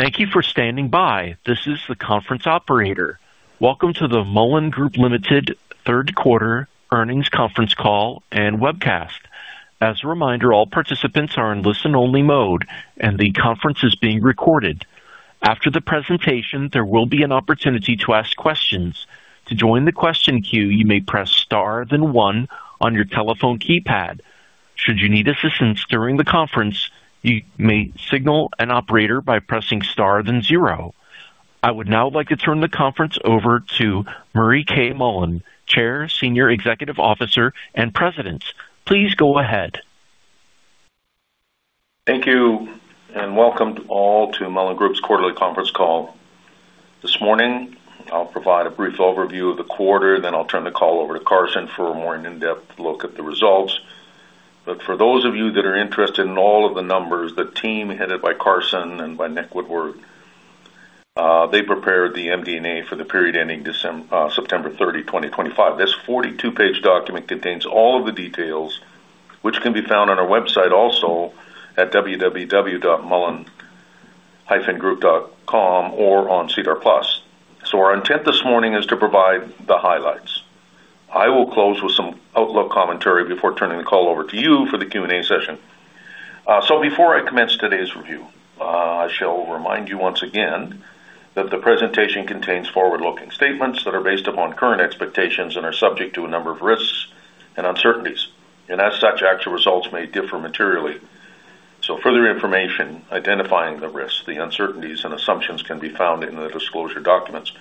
Thank you for standing by. This is the conference operator. Welcome to the Mullen Group Limited. third quarter earnings conference call and webcast. As a reminder, all participants are in listen-only mode, and the conference is being recorded. After the presentation, there will be an opportunity to ask questions. To join the question queue, you may press star then one on your telephone keypad. Should you need assistance during the conference, you may signal an operator by pressing star then zero. I would now like to turn the conference over to Murray K. Mullen, Chair, Senior Executive Officer, and President. Please go ahead. Thank you and welcome all to Mullen Group's quarterly conference call. This morning, I'll provide a brief overview of the quarter, then I'll turn the call over to Carson for a more in-depth look at the results. For those of you that are interested in all of the numbers, the team headed by Carson and by Nick Woodward, they prepared the MD&A for the period ending September 30, 2025. This 42-page document contains all of the details, which can be found on our website also at www.mullen-group.com or on CDAR Plus. Our intent this morning is to provide the highlights. I will close with some outlook commentary before turning the call over to you for the Q&A session. Before I commence today's review, I shall remind you once again that the presentation contains forward-looking statements that are based upon current expectations and are subject to a number of risks and uncertainties. As such, actual results may differ materially. Further information identifying the risks, the uncertainties, and assumptions can be found in the disclosure documents.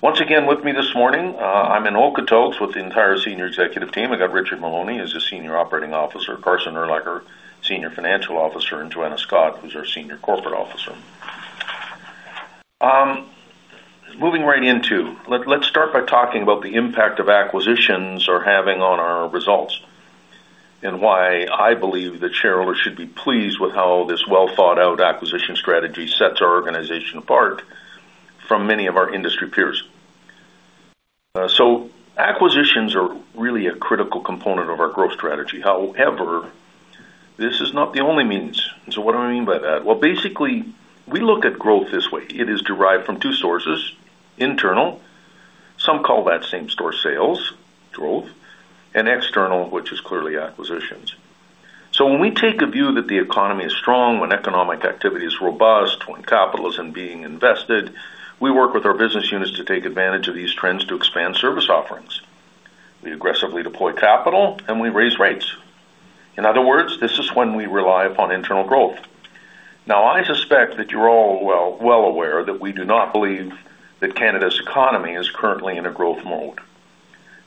Once again, with me this morning, I'm in all cottons with the entire senior executive team. I got Richard Maloney, who's a Senior Operating Officer, Carson Urlacher, Senior Financial Officer, and Joanna Scott, who's our Senior Corporate Officer. Moving right into, let's start by talking about the impact acquisitions are having on our results and why I believe the shareholders should be pleased with how this well-thought-out acquisition strategy sets our organization apart from many of our industry peers. Acquisitions are really a critical component of our growth strategy. However, this is not the only means. What do I mean by that? Basically, we look at growth this way. It is derived from two sources: internal, some call that same store sales growth, and external, which is clearly acquisitions. When we take a view that the economy is strong, when economic activity is robust, when capital isn't being invested, we work with our business units to take advantage of these trends to expand service offerings. We aggressively deploy capital and we raise rates. In other words, this is when we rely upon internal growth. I suspect that you're all well aware that we do not believe that Canada's economy is currently in a growth mode.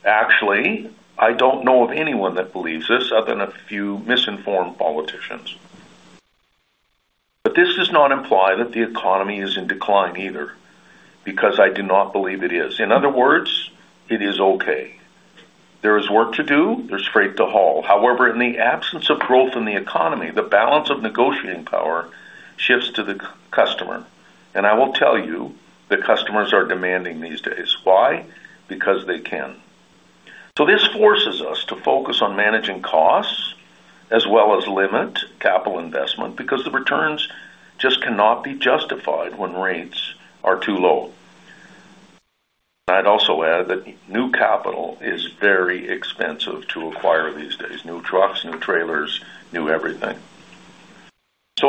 Actually, I don't know of anyone that believes this other than a few misinformed politicians. This does not imply that the economy is in decline either because I do not believe it is. In other words, it is okay. There is work to do. There's freight to haul. However, in the absence of growth in the economy, the balance of negotiating power shifts to the customer. I will tell you, the customers are demanding these days. Why? Because they can. This forces us to focus on managing costs as well as limit capital investment because the returns just cannot be justified when rates are too low. I'd also add that new capital is very expensive to acquire these days. New trucks, new trailers, new everything.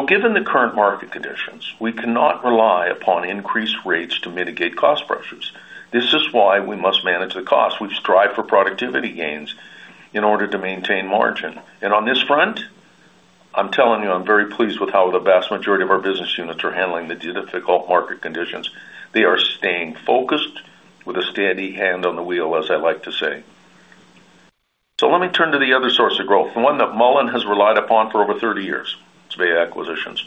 Given the current market conditions, we cannot rely upon increased rates to mitigate cost pressures. This is why we must manage the cost. We strive for productivity gains in order to maintain margin. On this front, I'm telling you I'm very pleased with how the vast majority of our business units are handling the difficult market conditions. They are staying focused with a steady hand on the wheel, as I like to say. Let me turn to the other source of growth, the one that Mullen has relied upon for over 30 years. It's by acquisitions.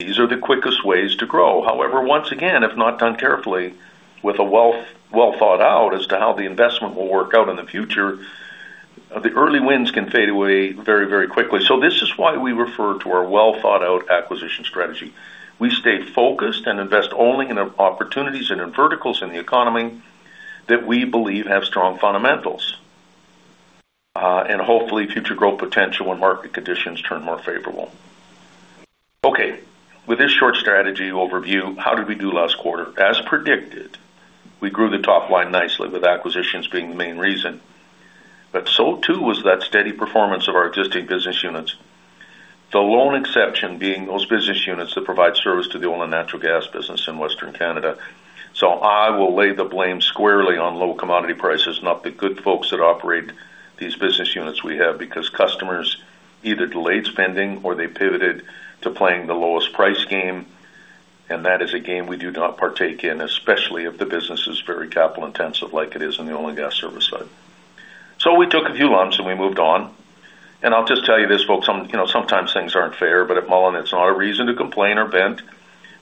These are the quickest ways to grow. However, once again, if not done carefully with a well thought out plan as to how the investment will work out in the future, the early wins can fade away very, very quickly. This is why we refer to our well-thought-out acquisition strategy. We stay focused and invest only in opportunities and in verticals in the economy that we believe have strong fundamentals and hopefully future growth potential when market conditions turn more favorable. With this short strategy overview, how did we do last quarter? As predicted, we grew the top line nicely with acquisitions being the main reason. So too was that steady performance of our existing business units, the lone exception being those business units that provide service to the oil and natural gas business in Western Canada. I will lay the blame squarely on low commodity prices, not the good folks that operate these business units we have because customers either delayed spending or they pivoted to playing the lowest price game. That is a game we do not partake in, especially if the business is very capital intensive like it is in the oil and gas service side. We took a few lumps and we moved on. I'll just tell you this, folks, sometimes things aren't fair, but at Mullen, it's not a reason to complain or vent.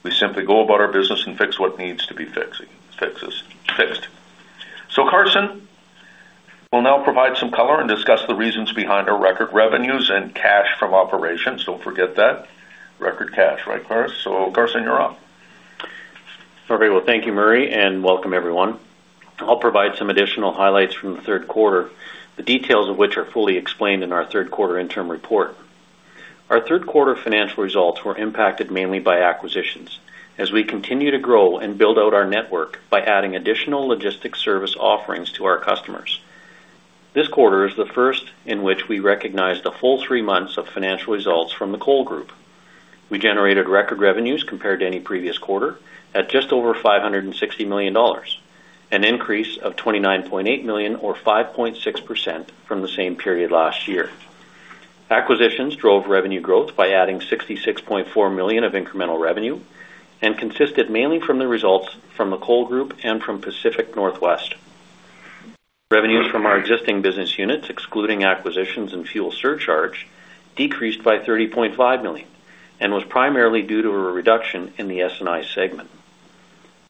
We simply go about our business and fix what needs to be fixed. Carson will now provide some color and discuss the reasons behind our record revenues and cash from operations. Don't forget that. Record cash, right, Cars? Carson, you're up. All right. Thank you, Murray, and welcome, everyone. I'll provide some additional highlights from the third quarter, the details of which are fully explained in our third quarter interim report. Our third quarter financial results were impacted mainly by acquisitions as we continue to grow and build out our network by adding additional logistics service offerings to our customers. This quarter is the first in which we recognized the full three months of financial results from the Cole Group. We generated record revenues compared to any previous quarter at just over $560 million, an increase of $29.8 million or 5.6% from the same period last year. Acquisitions drove revenue growth by adding $66.4 million of incremental revenue and consisted mainly from the results from the Cole Group and from Pacific Northwest. Revenues from our existing business units, excluding acquisitions and fuel surcharge, decreased by $30.5 million and was primarily due to a reduction in the S&I segment.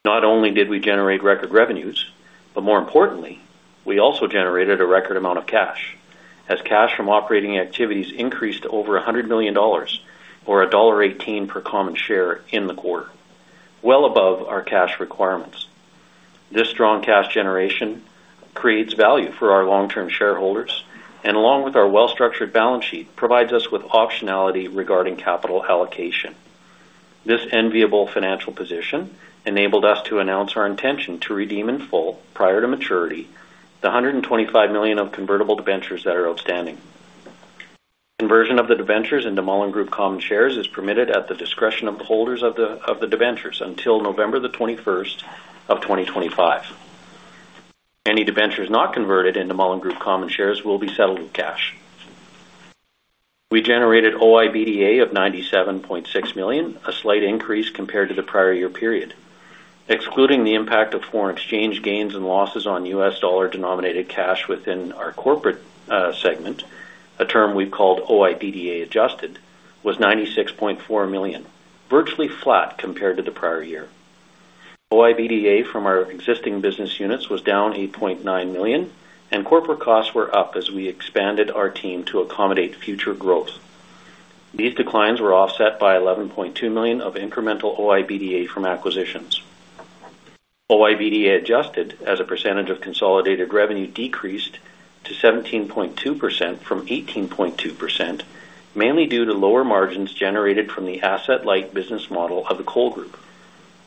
Not only did we generate record revenues, but more importantly, we also generated a record amount of cash as cash from operating activities increased to over $100 million or $1.18 per common share in the quarter, well above our cash requirements. This strong cash generation creates value for our long-term shareholders and, along with our well-structured balance sheet, provides us with optionality regarding capital allocation. This enviable financial position enabled us to announce our intention to redeem in full prior to maturity the $125 million of convertible debentures that are outstanding. Conversion of the debentures into Mullen Group common shares is permitted at the discretion of the holders of the debentures until November 21st, 2025. Any debentures not converted into Mullen Group common shares will be settled in cash. We generated OIBDA of $97.6 million, a slight increase compared to the prior year period. Excluding the impact of foreign exchange gains and losses on US dollar denominated cash within our corporate segment, a term we've called OIBDA adjusted, was $96.4 million, virtually flat compared to the prior year. OIBDA from our existing business units was down $8.9 million, and corporate costs were up as we expanded our team to accommodate future growth. These declines were offset by $11.2 million of incremental OIBDA from acquisitions. OIBDA adjusted as a percentage of consolidated revenue decreased to 17.2% from 18.2%, mainly due to lower margins generated from the asset-light business model of the Cole Group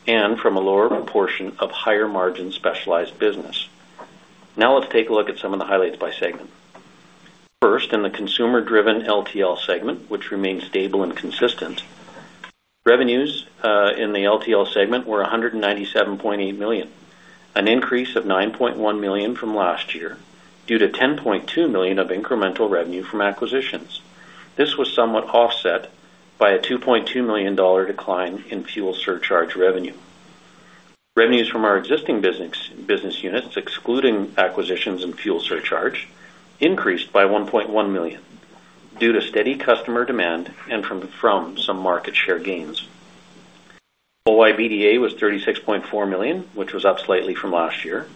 and from a lower proportion of higher margin specialized business. Now let's take a look at some of the highlights by segment. First, in the consumer-driven LTL segment, which remains stable and consistent, revenues in the LTL segment were $197.8 million, an increase of $9.1 million from last year due to $10.2 million of incremental revenue from acquisitions. This was somewhat offset by a $2.2 million decline in fuel surcharge revenue. Revenues from our existing business units, excluding acquisitions and fuel surcharge, increased by $1.1 million due to steady customer demand and from some market share gains. OIBDA was $36.4 million, which was up slightly from last year.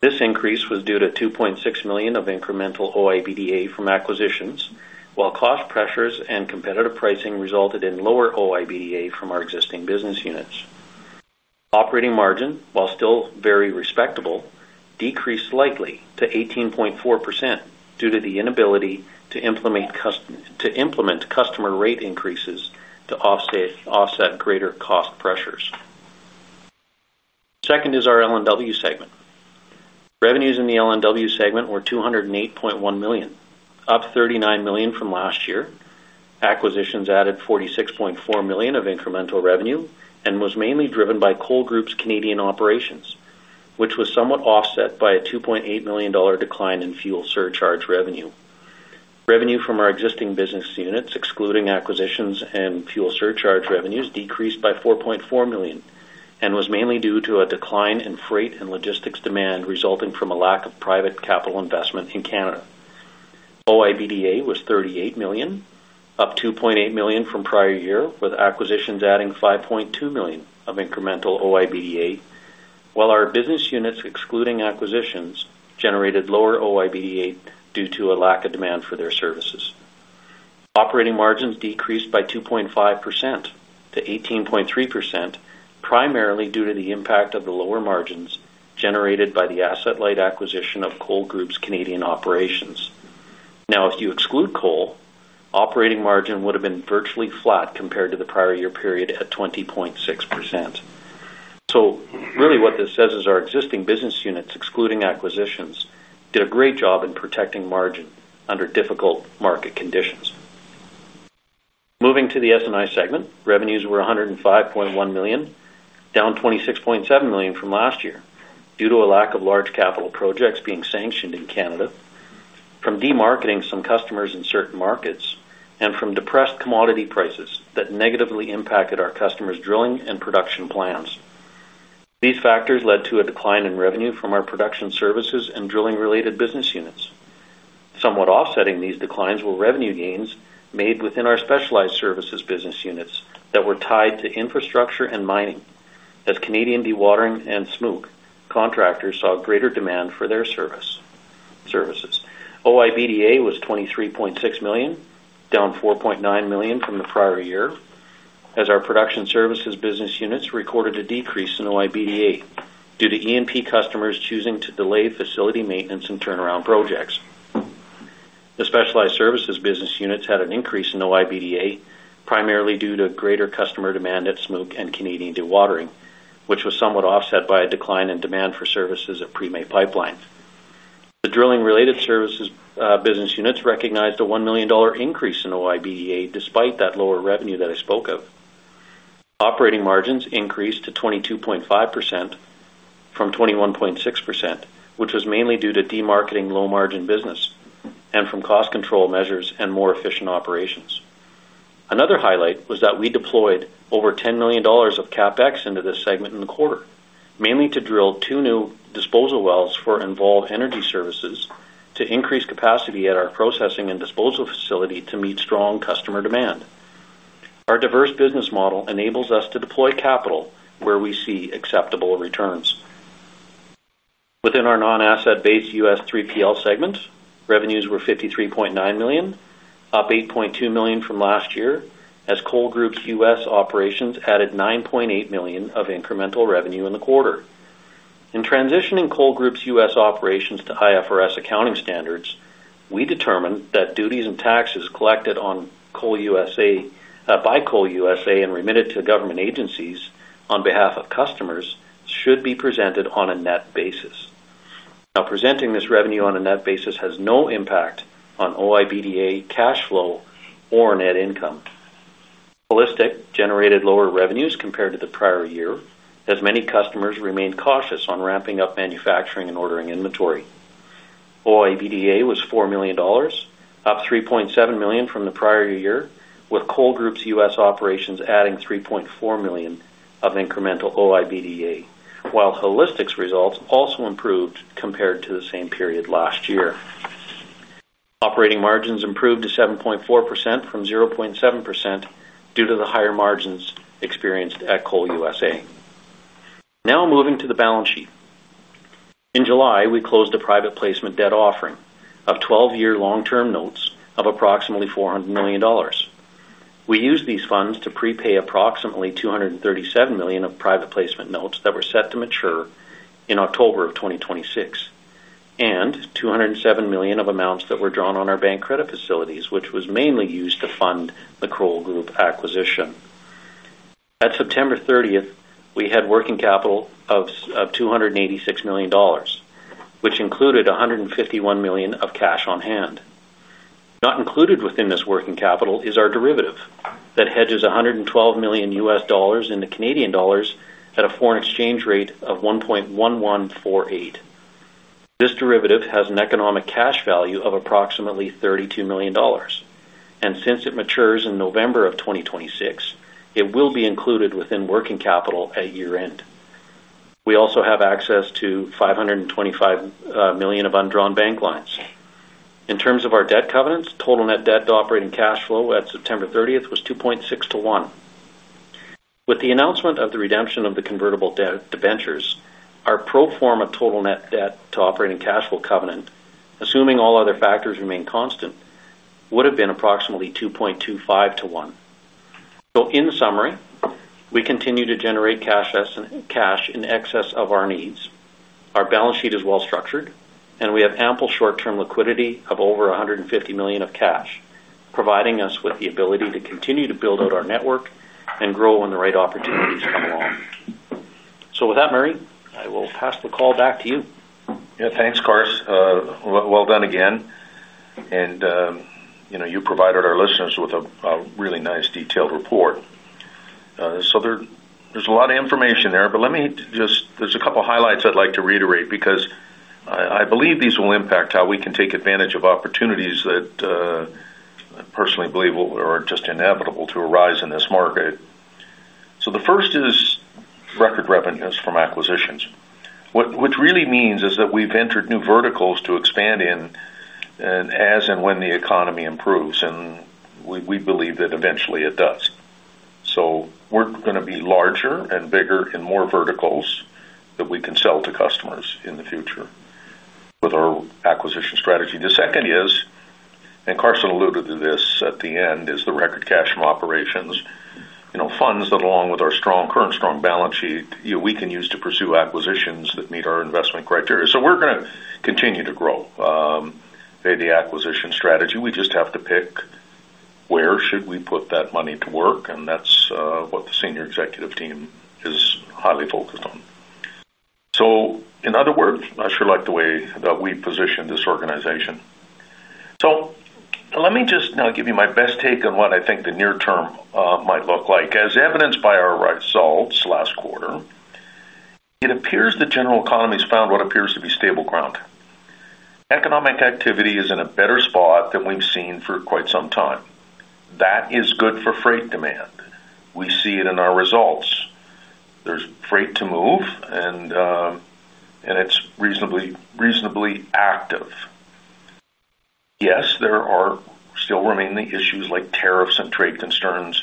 This increase was due to $2.6 million of incremental OIBDA from acquisitions, while cost pressures and competitive pricing resulted in lower OIBDA from our existing business units. Operating margin, while still very respectable, decreased slightly to 18.4% due to the inability to implement customer rate increases to offset greater cost pressures. Second is our L&W segment. Revenues in the L&W segment were $208.1 million, up $39 million from last year. Acquisitions added $46.4 million of incremental revenue and was mainly driven by Cole Group's Canadian operations, which was somewhat offset by a $2.8 million decline in fuel surcharge revenue. Revenue from our existing business units, excluding acquisitions and fuel surcharge revenues, decreased by $4.4 million and was mainly due to a decline in freight and logistics demand resulting from a lack of private capital investment in Canada. OIBDA was $38 million, up $2.8 million from prior year, with acquisitions adding $5.2 million of incremental OIBDA, while our business units, excluding acquisitions, generated lower OIBDA due to a lack of demand for their services. Operating margins decreased by 2.5% to 18.3%, primarily due to the impact of the lower margins generated by the asset-light acquisition of Cole Group's Canadian operations. Now, if you exclude Cole, operating margin would have been virtually flat compared to the prior year period at 20.6%. What this says is our existing business units, excluding acquisitions, did a great job in protecting margin under difficult market conditions. Moving to the S&I segment, revenues were $105.1 million, down $26.7 million from last year due to a lack of large capital projects being sanctioned in Canada, from demarketing some customers in certain markets, and from depressed commodity prices that negatively impacted our customers' drilling and production plans. These factors led to a decline in revenue from our production services and drilling-related business units. Somewhat offsetting these declines were revenue gains made within our specialized services business units that were tied to infrastructure and mining, as Canadian dewatering and smoke contractors saw greater demand for their services. OIBDA was $23.6 million, down $4.9 million from the prior year, as our production services business units recorded a decrease in OIBDA due to E&P customers choosing to delay facility maintenance and turnaround projects. The specialized services business units had an increase in OIBDA primarily due to greater customer demand at smoke and Canadian dewatering, which was somewhat offset by a decline in demand for services at Pre-May pipelines. The drilling-related services business units recognized a $1 million increase in OIBDA despite that lower revenue that I spoke of. Operating margins increased to 22.5% from 21.6%, which was mainly due to demarketing low-margin business and from cost control measures and more efficient operations. Another highlight was that we deployed over $10 million of CapEx into this segment in the quarter, mainly to drill two new disposal wells for involved energy services to increase capacity at our processing and disposal facility to meet strong customer demand. Our diverse business model enables us to deploy capital where we see acceptable returns. Within our non-asset-based U.S. 3PL segments, revenues were $53.9 million, up $8.2 million from last year, as Cole Group's U.S. operations added $9.8 million of incremental revenue in the quarter. In transitioning Cole Group's U.S. operations to IFRS accounting standards, we determined that duties and taxes collected on Cole USA by Cole USA and remitted to government agencies on behalf of customers should be presented on a net basis. Now, presenting this revenue on a net basis has no impact on OIBDA cash flow or net income. Holistic generated lower revenues compared to the prior year as many customers remained cautious on ramping up manufacturing and ordering inventory. OIBDA was $4 million, up $3.7 million from the prior year, with Cole Group's U.S. operations adding $3.4 million of incremental OIBDA, while holistic results also improved compared to the same period last year. Operating margins improved to 7.4% from 0.7% due to the higher margins experienced at Cole USA. Now moving to the balance sheet. In July, we closed a private placement debt offering of 12-year long-term notes of approximately $400 million. We used these funds to prepay approximately $237 million of private placement notes that were set to mature in October of 2026 and $207 million of amounts that were drawn on our bank credit facilities, which was mainly used to fund the Cole Group acquisition. At September 30th, we had working capital of $286 million, which included $151 million of cash on hand. Not included within this working capital is our derivative that hedges $112 million US dollars into Canadian dollars at a foreign exchange rate of 1.1148. This derivative has an economic cash value of approximately $32 million, and since it matures in November of 2026, it will be included within working capital at year-end. We also have access to $525 million of undrawn bank lines. In terms of our debt covenants, total net debt to operating cash flow at September 30th was 2.6 to 1. With the announcement of the redemption of the convertible debentures, our pro forma total net debt to operating cash flow covenant, assuming all other factors remain constant, would have been approximately 2.25 to 1. In summary, we continue to generate cash in excess of our needs. Our balance sheet is well structured, and we have ample short-term liquidity of over $150 million of cash, providing us with the ability to continue to build out our network and grow when the right opportunities come along. With that, Murray, I will pass the call back to you. Yeah, thanks, Cars. Well done again. You provided our listeners with a really nice detailed report. There's a lot of information there, but let me just, there's a couple of highlights I'd like to reiterate because I believe these will impact how we can take advantage of opportunities that I personally believe are just inevitable to arise in this market. The first is record revenues from acquisitions, which really means that we've entered new verticals to expand in as and when the economy improves. We believe that eventually it does. We're going to be larger and bigger in more verticals that we can sell to customers in the future with our acquisition strategy. The second is, and Carson alluded to this at the end, the record cash from operations. Funds that, along with our strong current strong balance sheet, we can use to pursue acquisitions that meet our investment criteria. We're going to continue to grow, pay the acquisition strategy. We just have to pick where should we put that money to work. That's what the Senior Executive Team is highly focused on. In other words, I sure like the way that we position this organization. Let me just now give you my best take on what I think the near term might look like. As evidenced by our results last quarter, it appears the general economy has found what appears to be stable ground. Economic activity is in a better spot than we've seen for quite some time. That is good for freight demand. We see it in our results. There's freight to move, and it's reasonably active. Yes, there still remain the issues like tariffs and trade concerns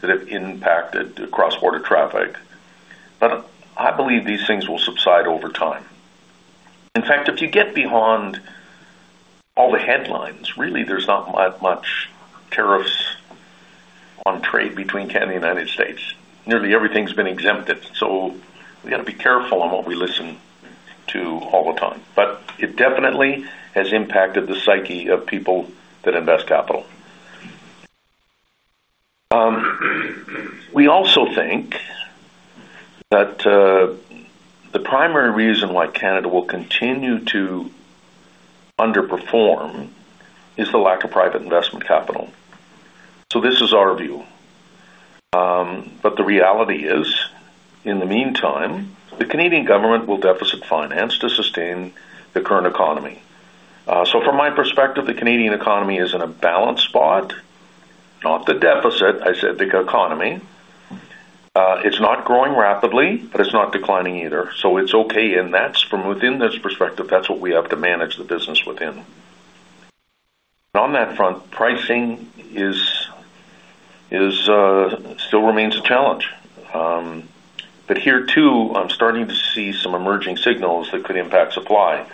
that have impacted the cross-border traffic. I believe these things will subside over time. In fact, if you get beyond all the headlines, really, there's not much tariffs on trade between Canada and the United States. Nearly everything's been exempted. We got to be careful on what we listen to all the time. It definitely has impacted the psyche of people that invest capital. We also think that the primary reason why Canada will continue to underperform is the lack of private investment capital. This is our view. The reality is, in the meantime, the Canadian government will deficit finance to sustain the current economy. From my perspective, the Canadian economy is in a balanced spot, not the deficit. I said the economy. It's not growing rapidly, but it's not declining either. It's okay. That's from within this perspective, that's what we have to manage the business within. On that front, pricing still remains a challenge. Here too, I'm starting to see some emerging signals that could impact supply,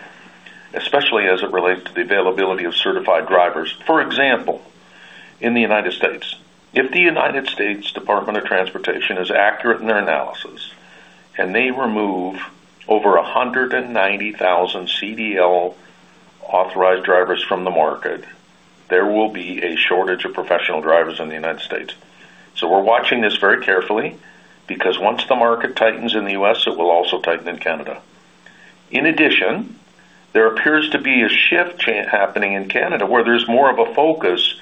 especially as it relates to the availability of certified drivers. For example, in the U.S., if the United States Department of Transportation is accurate in their analysis and they remove over 190,000 CDL authorized drivers from the market, there will be a shortage of professional drivers in the U.S. We're watching this very carefully because once the market tightens in the U.S., it will also tighten in Canada. In addition, there appears to be a shift happening in Canada where there's more of a focus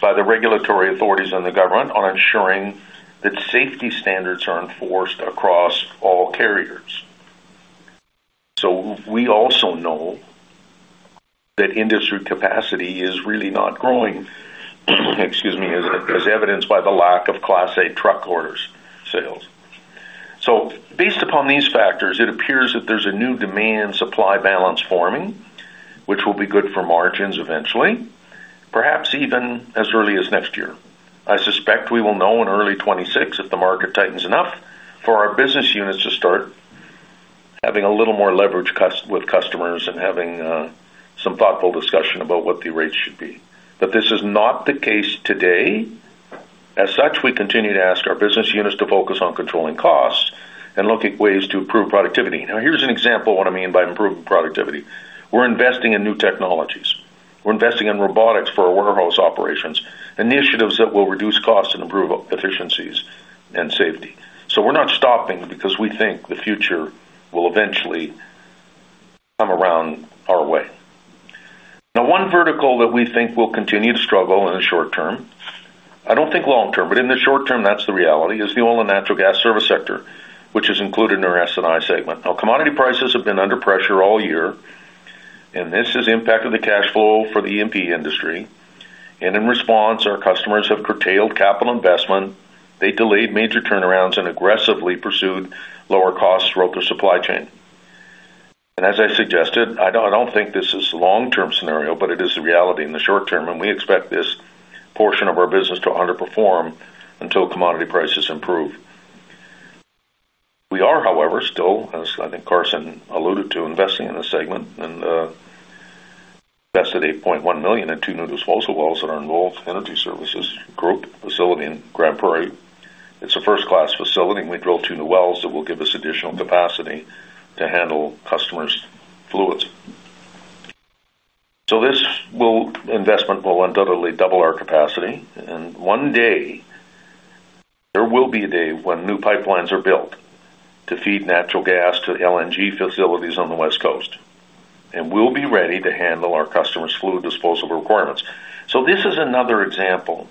by the regulatory authorities and the government on ensuring that safety standards are enforced across all carriers. We also know that industry capacity is really not growing, as evidenced by the lack of Class A truck orders sales. Based upon these factors, it appears that there's a new demand-supply balance forming, which will be good for margins eventually, perhaps even as early as next year. I suspect we will know in early 2026 if the market tightens enough for our business units to start having a little more leverage with customers and having some thoughtful discussion about what the rates should be. This is not the case today. As such, we continue to ask our business units to focus on controlling costs and look at ways to improve productivity. Now, here's an example of what I mean by improving productivity. We're investing in new technologies. We're investing in robotics for our warehouse operations, initiatives that will reduce costs and improve efficiencies and safety. We're not stopping because we think the future will eventually come around our way. One vertical that we think will continue to struggle in the short term, I don't think long term, but in the short term, that's the reality, is the oil and natural gas service sector, which is included in our S&I segment. Commodity prices have been under pressure all year, and this has impacted the cash flow for the E&P industry. In response, our customers have curtailed capital investment. They delayed major turnarounds and aggressively pursued lower costs throughout their supply chain. As I suggested, I don't think this is a long-term scenario, but it is the reality in the short term. We expect this portion of our business to underperform until commodity prices improve. We are, however, still, as I think Carson alluded to, investing in the segment and invested $8.1 million in two new disposal wells that are involved in energy services growth facility in Grand Prairie. It's a first-class facility, and we drilled two new wells that will give us additional capacity to handle customers' fluids. This investment will undoubtedly double our capacity. One day, there will be a day when new pipelines are built to feed natural gas to LNG facilities on the West Coast, and we'll be ready to handle our customers' fluid disposal requirements. This is another example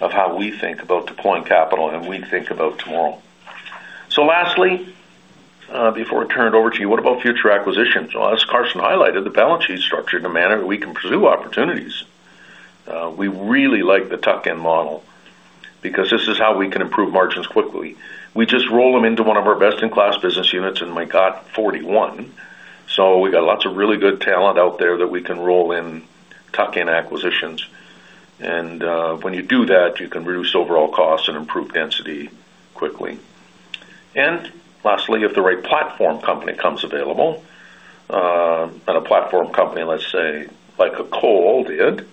of how we think about deploying capital and we think about tomorrow. Lastly, before I turn it over to you, what about future acquisitions? As Carson highlighted, the balance sheet is structured in a manner that we can pursue opportunities. We really like the tuck-in model because this is how we can improve margins quickly. We just roll them into one of our best-in-class business units and make that 41. We got lots of really good talent out there that we can roll in tuck-in acquisitions. When you do that, you can reduce overall costs and improve density quickly. Lastly, if the right platform company comes available, and a platform company, let's say, like Cole Group did,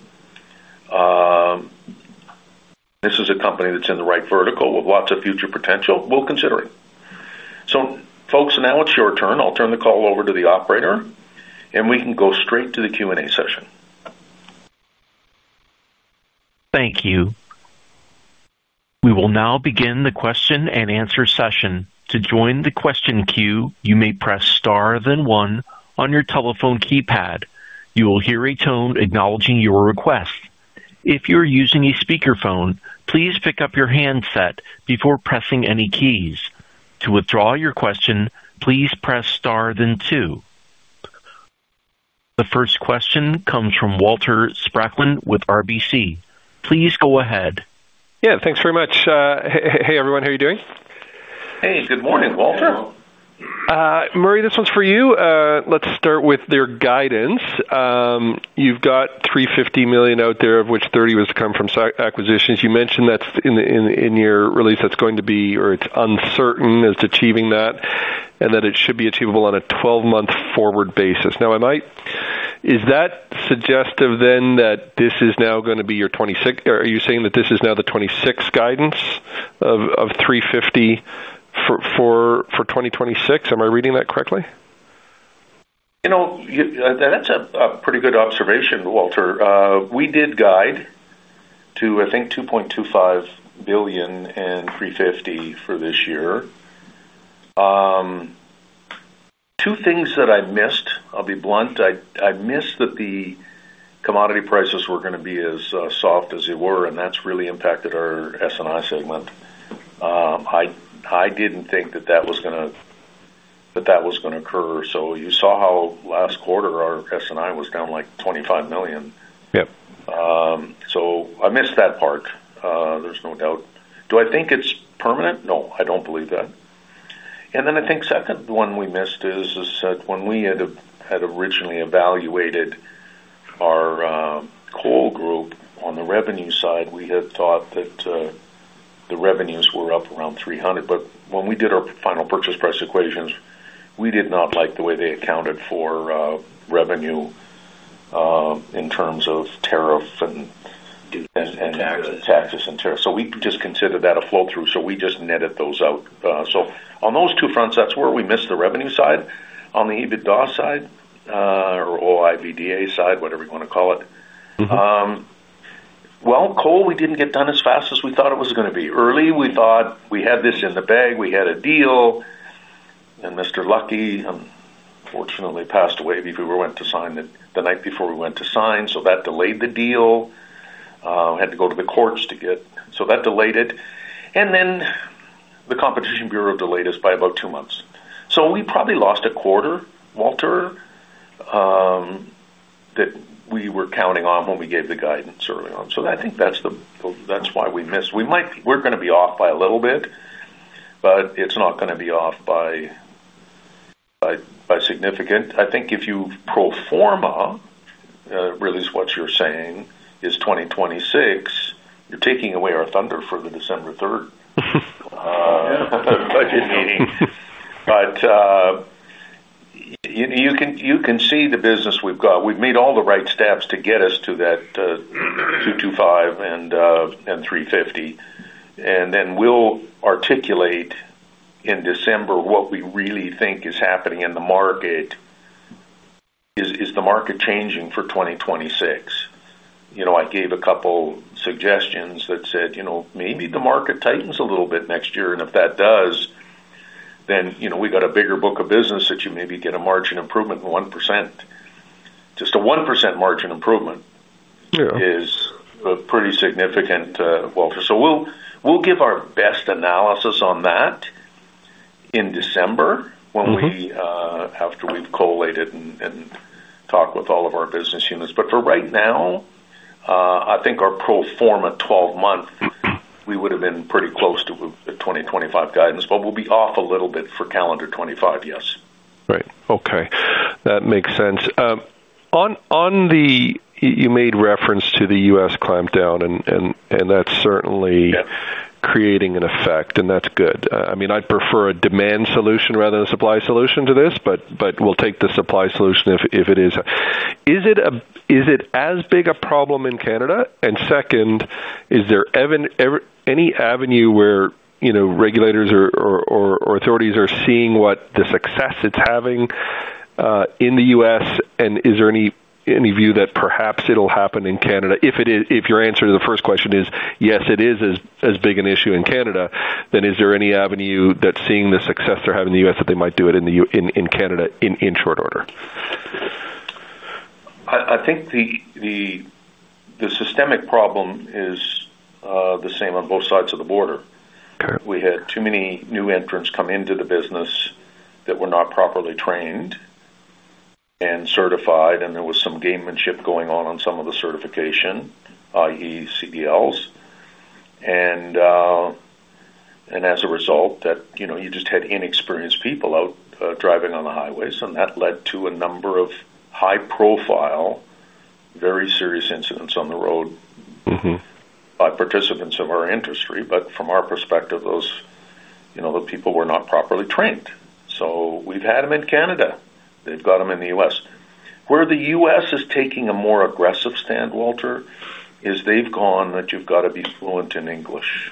this is a company that's in the right vertical with lots of future potential. We'll consider it. Folks, now it's your turn. I'll turn the call over to the operator, and we can go straight to the Q&A session. Thank you. We will now begin the question and answer session. To join the question queue, you may press star then one on your telephone keypad. You will hear a tone acknowledging your request. If you're using a speakerphone, please pick up your handset before pressing any keys. To withdraw your question, please press star then two. The first question comes from Walter Spracklin with RBC. Please go ahead. Yeah, thanks very much. Hey, everyone. How are you doing? Hey, good morning, Walter. Murray, this one's for you. Let's start with your guidance. You've got $350 million out there, of which $30 million was to come from acquisitions. You mentioned that in your release that's going to be, or it's uncertain as to achieving that, and that it should be achievable on a 12-month forward basis. Now, is that suggestive then that this is now going to be your 26th, or are you saying that this is now the 26th guidance of $350 million for 2026? Am I reading that correctly? You know. That's a pretty good observation, Walter. We did guide to, I think, $2.25 billion and $350 million for this year. Two things that I missed, I'll be blunt. I missed that the commodity prices were going to be as soft as they were, and that's really impacted our S&I segment. I didn't think that that was going to occur. You saw how last quarter our S&I was down like $25 million. I missed that part, there's no doubt. Do I think it's permanent? No, I don't believe that. I think the second one we missed is that when we had originally evaluated our Cole Group on the revenue side, we had thought that the revenues were up around $300 million. When we did our final purchase price equations, we did not like the way they accounted for revenue in terms of tariff and taxes, and we just considered that a flow-through, so we just netted those out. On those two fronts, that's where we missed the revenue side. On the EBITDA side, or OIBDA side, whatever you want to call it, Cole Group, we didn't get done as fast as we thought it was going to be. Early, we thought we had this in the bag. We had a deal, and Mr. Lucky, unfortunately, passed away before we went to sign, the night before we went to sign. That delayed the deal. We had to go to the courts to get, so that delayed it. The Competition Bureau delayed us by about two months. We probably lost a quarter, Walter, that we were counting on when we gave the guidance early on. I think that's why we missed. We're going to be off by a little bit, but it's not going to be off by significant. I think if you pro forma, really is what you're saying, is 2026, you're taking away our thunder for the December 3rd budget meeting. You can see the business we've got. We've made all the right steps to get us to that $225 million and $350 million. We'll articulate in December what we really think is happening in the market. Is the market changing for 2026? I gave a couple of suggestions that said maybe the market tightens a little bit next year. If that does, then you know we got a bigger book of business that you maybe get a margin improvement in 1%. Just a 1% margin improvement is pretty significant, Walter. We'll give our best analysis on that in December after we've collated and talked with all of our business units. For right now, I think our pro forma 12-month, we would have been pretty close to the 2025 guidance, but we'll be off a little bit for calendar 2025, yes. Right. Okay. That makes sense. You made reference to the U.S. climbed down, and that's certainly creating an effect, and that's good. I mean, I'd prefer a demand solution rather than a supply solution to this, but we'll take the supply solution if it is. Is it as big a problem in Canada? Second, is there any avenue where you know regulators or authorities are seeing what the success it's having in the U.S.? Is there any view that perhaps it'll happen in Canada? If your answer to the first question is yes, it is as big an issue in Canada, then is there any avenue that's seeing the success they're having in the U.S. that they might do it in Canada in short order? I think the systemic problem is the same on both sides of the border. We had too many new entrants come into the business that were not properly trained and certified, and there was some gamesmanship going on on some of the certification, i.e., CDLs. As a result, you just had inexperienced people out driving on the highways, and that led to a number of high-profile, very serious incidents on the road by participants of our industry. From our perspective, those people were not properly trained. We've had them in Canada. They've got them in the U.S. Where the U.S. is taking a more aggressive stand, Walter, is they've gone that you've got to be fluent in English.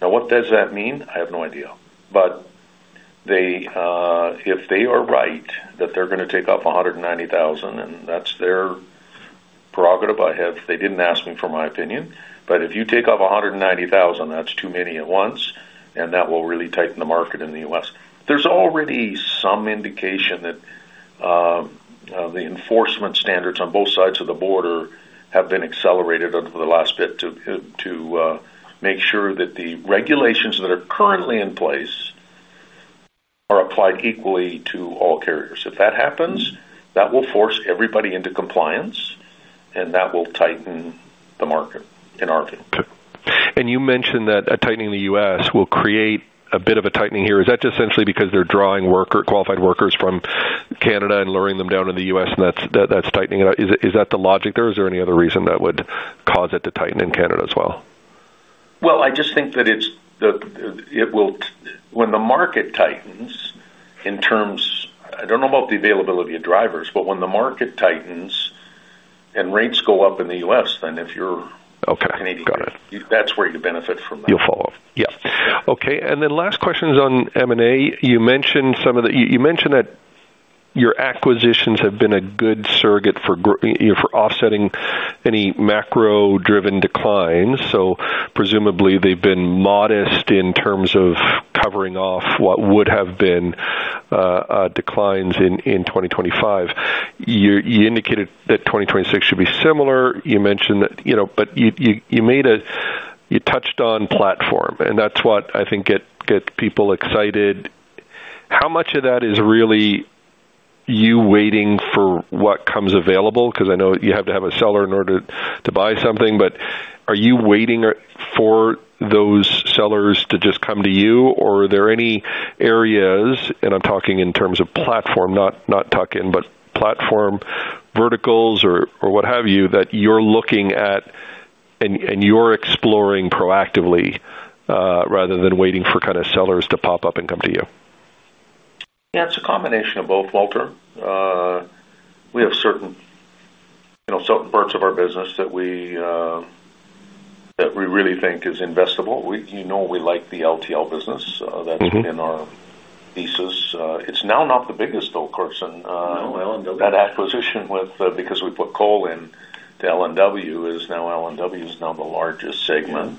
Now, what does that mean? I have no idea. If they are right that they're going to take off 190,000, and that's their prerogative, I have, they didn't ask me for my opinion, but if you take off 190,000, that's too many at once, and that will really tighten the market in the U.S. There's already some indication that the enforcement standards on both sides of the border have been accelerated over the last bit to make sure that the regulations that are currently in place are applied equally to all carriers. If that happens, that will force everybody into compliance, and that will tighten the market in our view. Okay. You mentioned that tightening in the U.S. will create a bit of a tightening here. Is that just essentially because they're drawing qualified workers from Canada and luring them down to the U.S., and that's tightening it up? Is that the logic there? Is there any other reason that would cause it to tighten in Canada as well? I just think that it's the, it will, when the market tightens in terms, I don't know about the availability of drivers, but when the market tightens and rates go up in the U.S., then if you're Canadian. Okay, got it. That's where you benefit from that. Okay. Last questions on M&A. You mentioned that your acquisitions have been a good surrogate for you for offsetting any macro-driven declines. Presumably, they've been modest in terms of covering off what would have been declines in 2025. You indicated that 2026 should be similar. You mentioned that, you know, you touched on platform, and that's what I think gets people excited. How much of that is really you waiting for what comes available? I know you have to have a seller in order to buy something, but are you waiting for those sellers to just come to you, or are there any areas, and I'm talking in terms of platform, not tuck-in, but platform verticals or what have you, that you're looking at and you're exploring proactively, rather than waiting for sellers to pop up and come to you? That's a combination of both, Walter. We have certain parts of our business that we really think is investable. We like the LTL business. That's been our thesis. It's now not the biggest, though, Carson. That acquisition, because we put Cole Group into L&W, L&W is now the largest segment.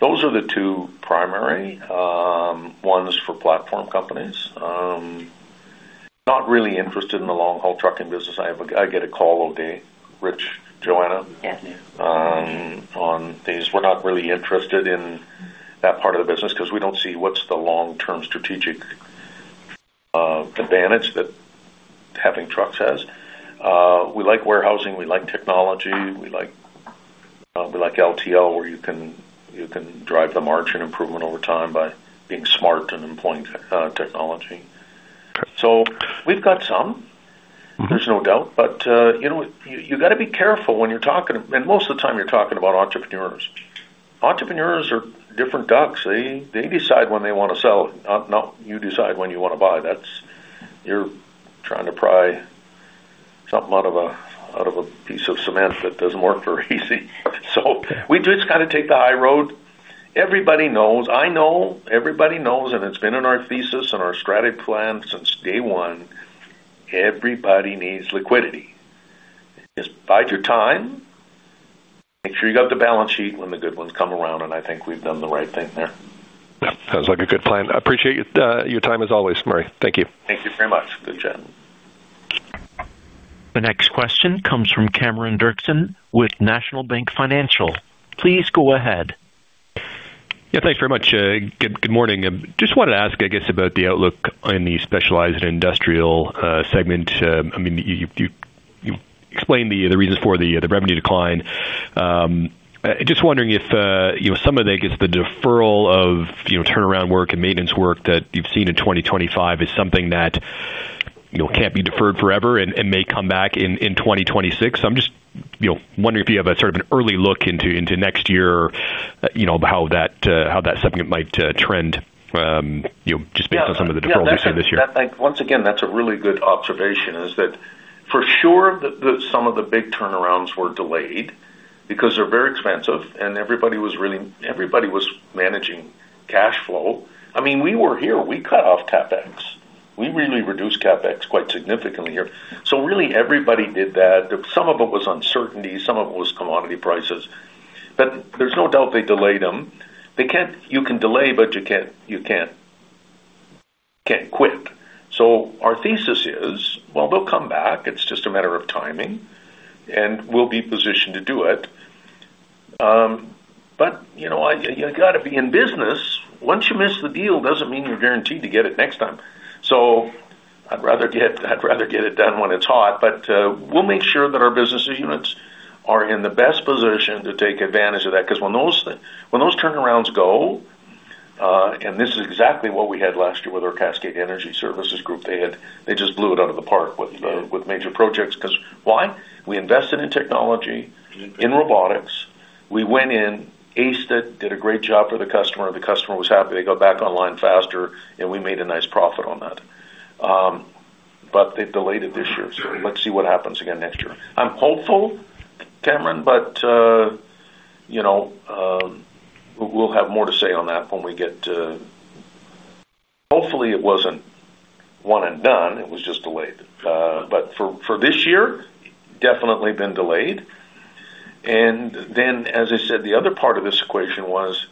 Those are the two primary ones for platform companies. Not really interested in the long-haul trucking business. I get a call all day, Rich, Joanna, yes, on things. We're not really interested in that part of the business because we don't see what's the long-term strategic advantage that having trucks has. We like warehousing. We like technology. We like LTL where you can drive the margin improvement over time by being smart and employing technology. There's no doubt. You got to be careful when you're talking, and most of the time you're talking about entrepreneurs. Entrepreneurs are different ducks. They decide when they want to sell, not you decide when you want to buy. You're trying to pry something out of a piece of cement that doesn't work very easy. We just got to take the high road. Everybody knows. I know. Everybody knows. It's been in our thesis and our strategy plan since day one. Everybody needs liquidity. Just bide your time. Make sure you got the balance sheet when the good ones come around. I think we've done the right thing there. That sounds like a good plan. I appreciate your time as always, Murray. Thank you. Thank you very much. Good job. The next question comes from Cameron Doerksen with National Bank Financial. Please go ahead. Yeah, thanks very much. Good morning. I just wanted to ask about the outlook in the specialized and industrial segment. I mean, you explained the reasons for the revenue decline. I'm just wondering if some of the deferral of turnaround work and maintenance work that you've seen in 2025 is something that can't be deferred forever and may come back in 2026. I'm just wondering if you havze a sort of an early look into next year or how that segment might trend just based on some of the deferrals we've seen this year. Once again, that's a really good observation. For sure, some of the big turnarounds were delayed because they're very expensive and everybody was really managing cash flow. I mean, we were here. We cut off CapEx. We really reduced CapEx quite significantly here. Really, everybody did that. Some of it was uncertainty. Some of it was commodity prices. There's no doubt they delayed them. You can delay, but you can't quit. Our thesis is they'll come back. It's just a matter of timing, and we'll be positioned to do it. You got to be in business. Once you miss the deal, it doesn't mean you're guaranteed to get it next time. I'd rather get it done when it's hot. We'll make sure that our business units are in the best position to take advantage of that because when those turnarounds go, and this is exactly what we had last year with our Cascade Energy Services Group. They just blew it out of the park with major projects because we invested in technology, in robotics. We went in, aced it, did a great job for the customer. The customer was happy. They got back online faster, and we made a nice profit on that. They delayed it this year. Let's see what happens again next year. I'm hopeful, Cameron, but we'll have more to say on that when we get, hopefully, it wasn't one and done. It was just delayed. For this year, definitely been delayed. As I said, the other part of this equation was,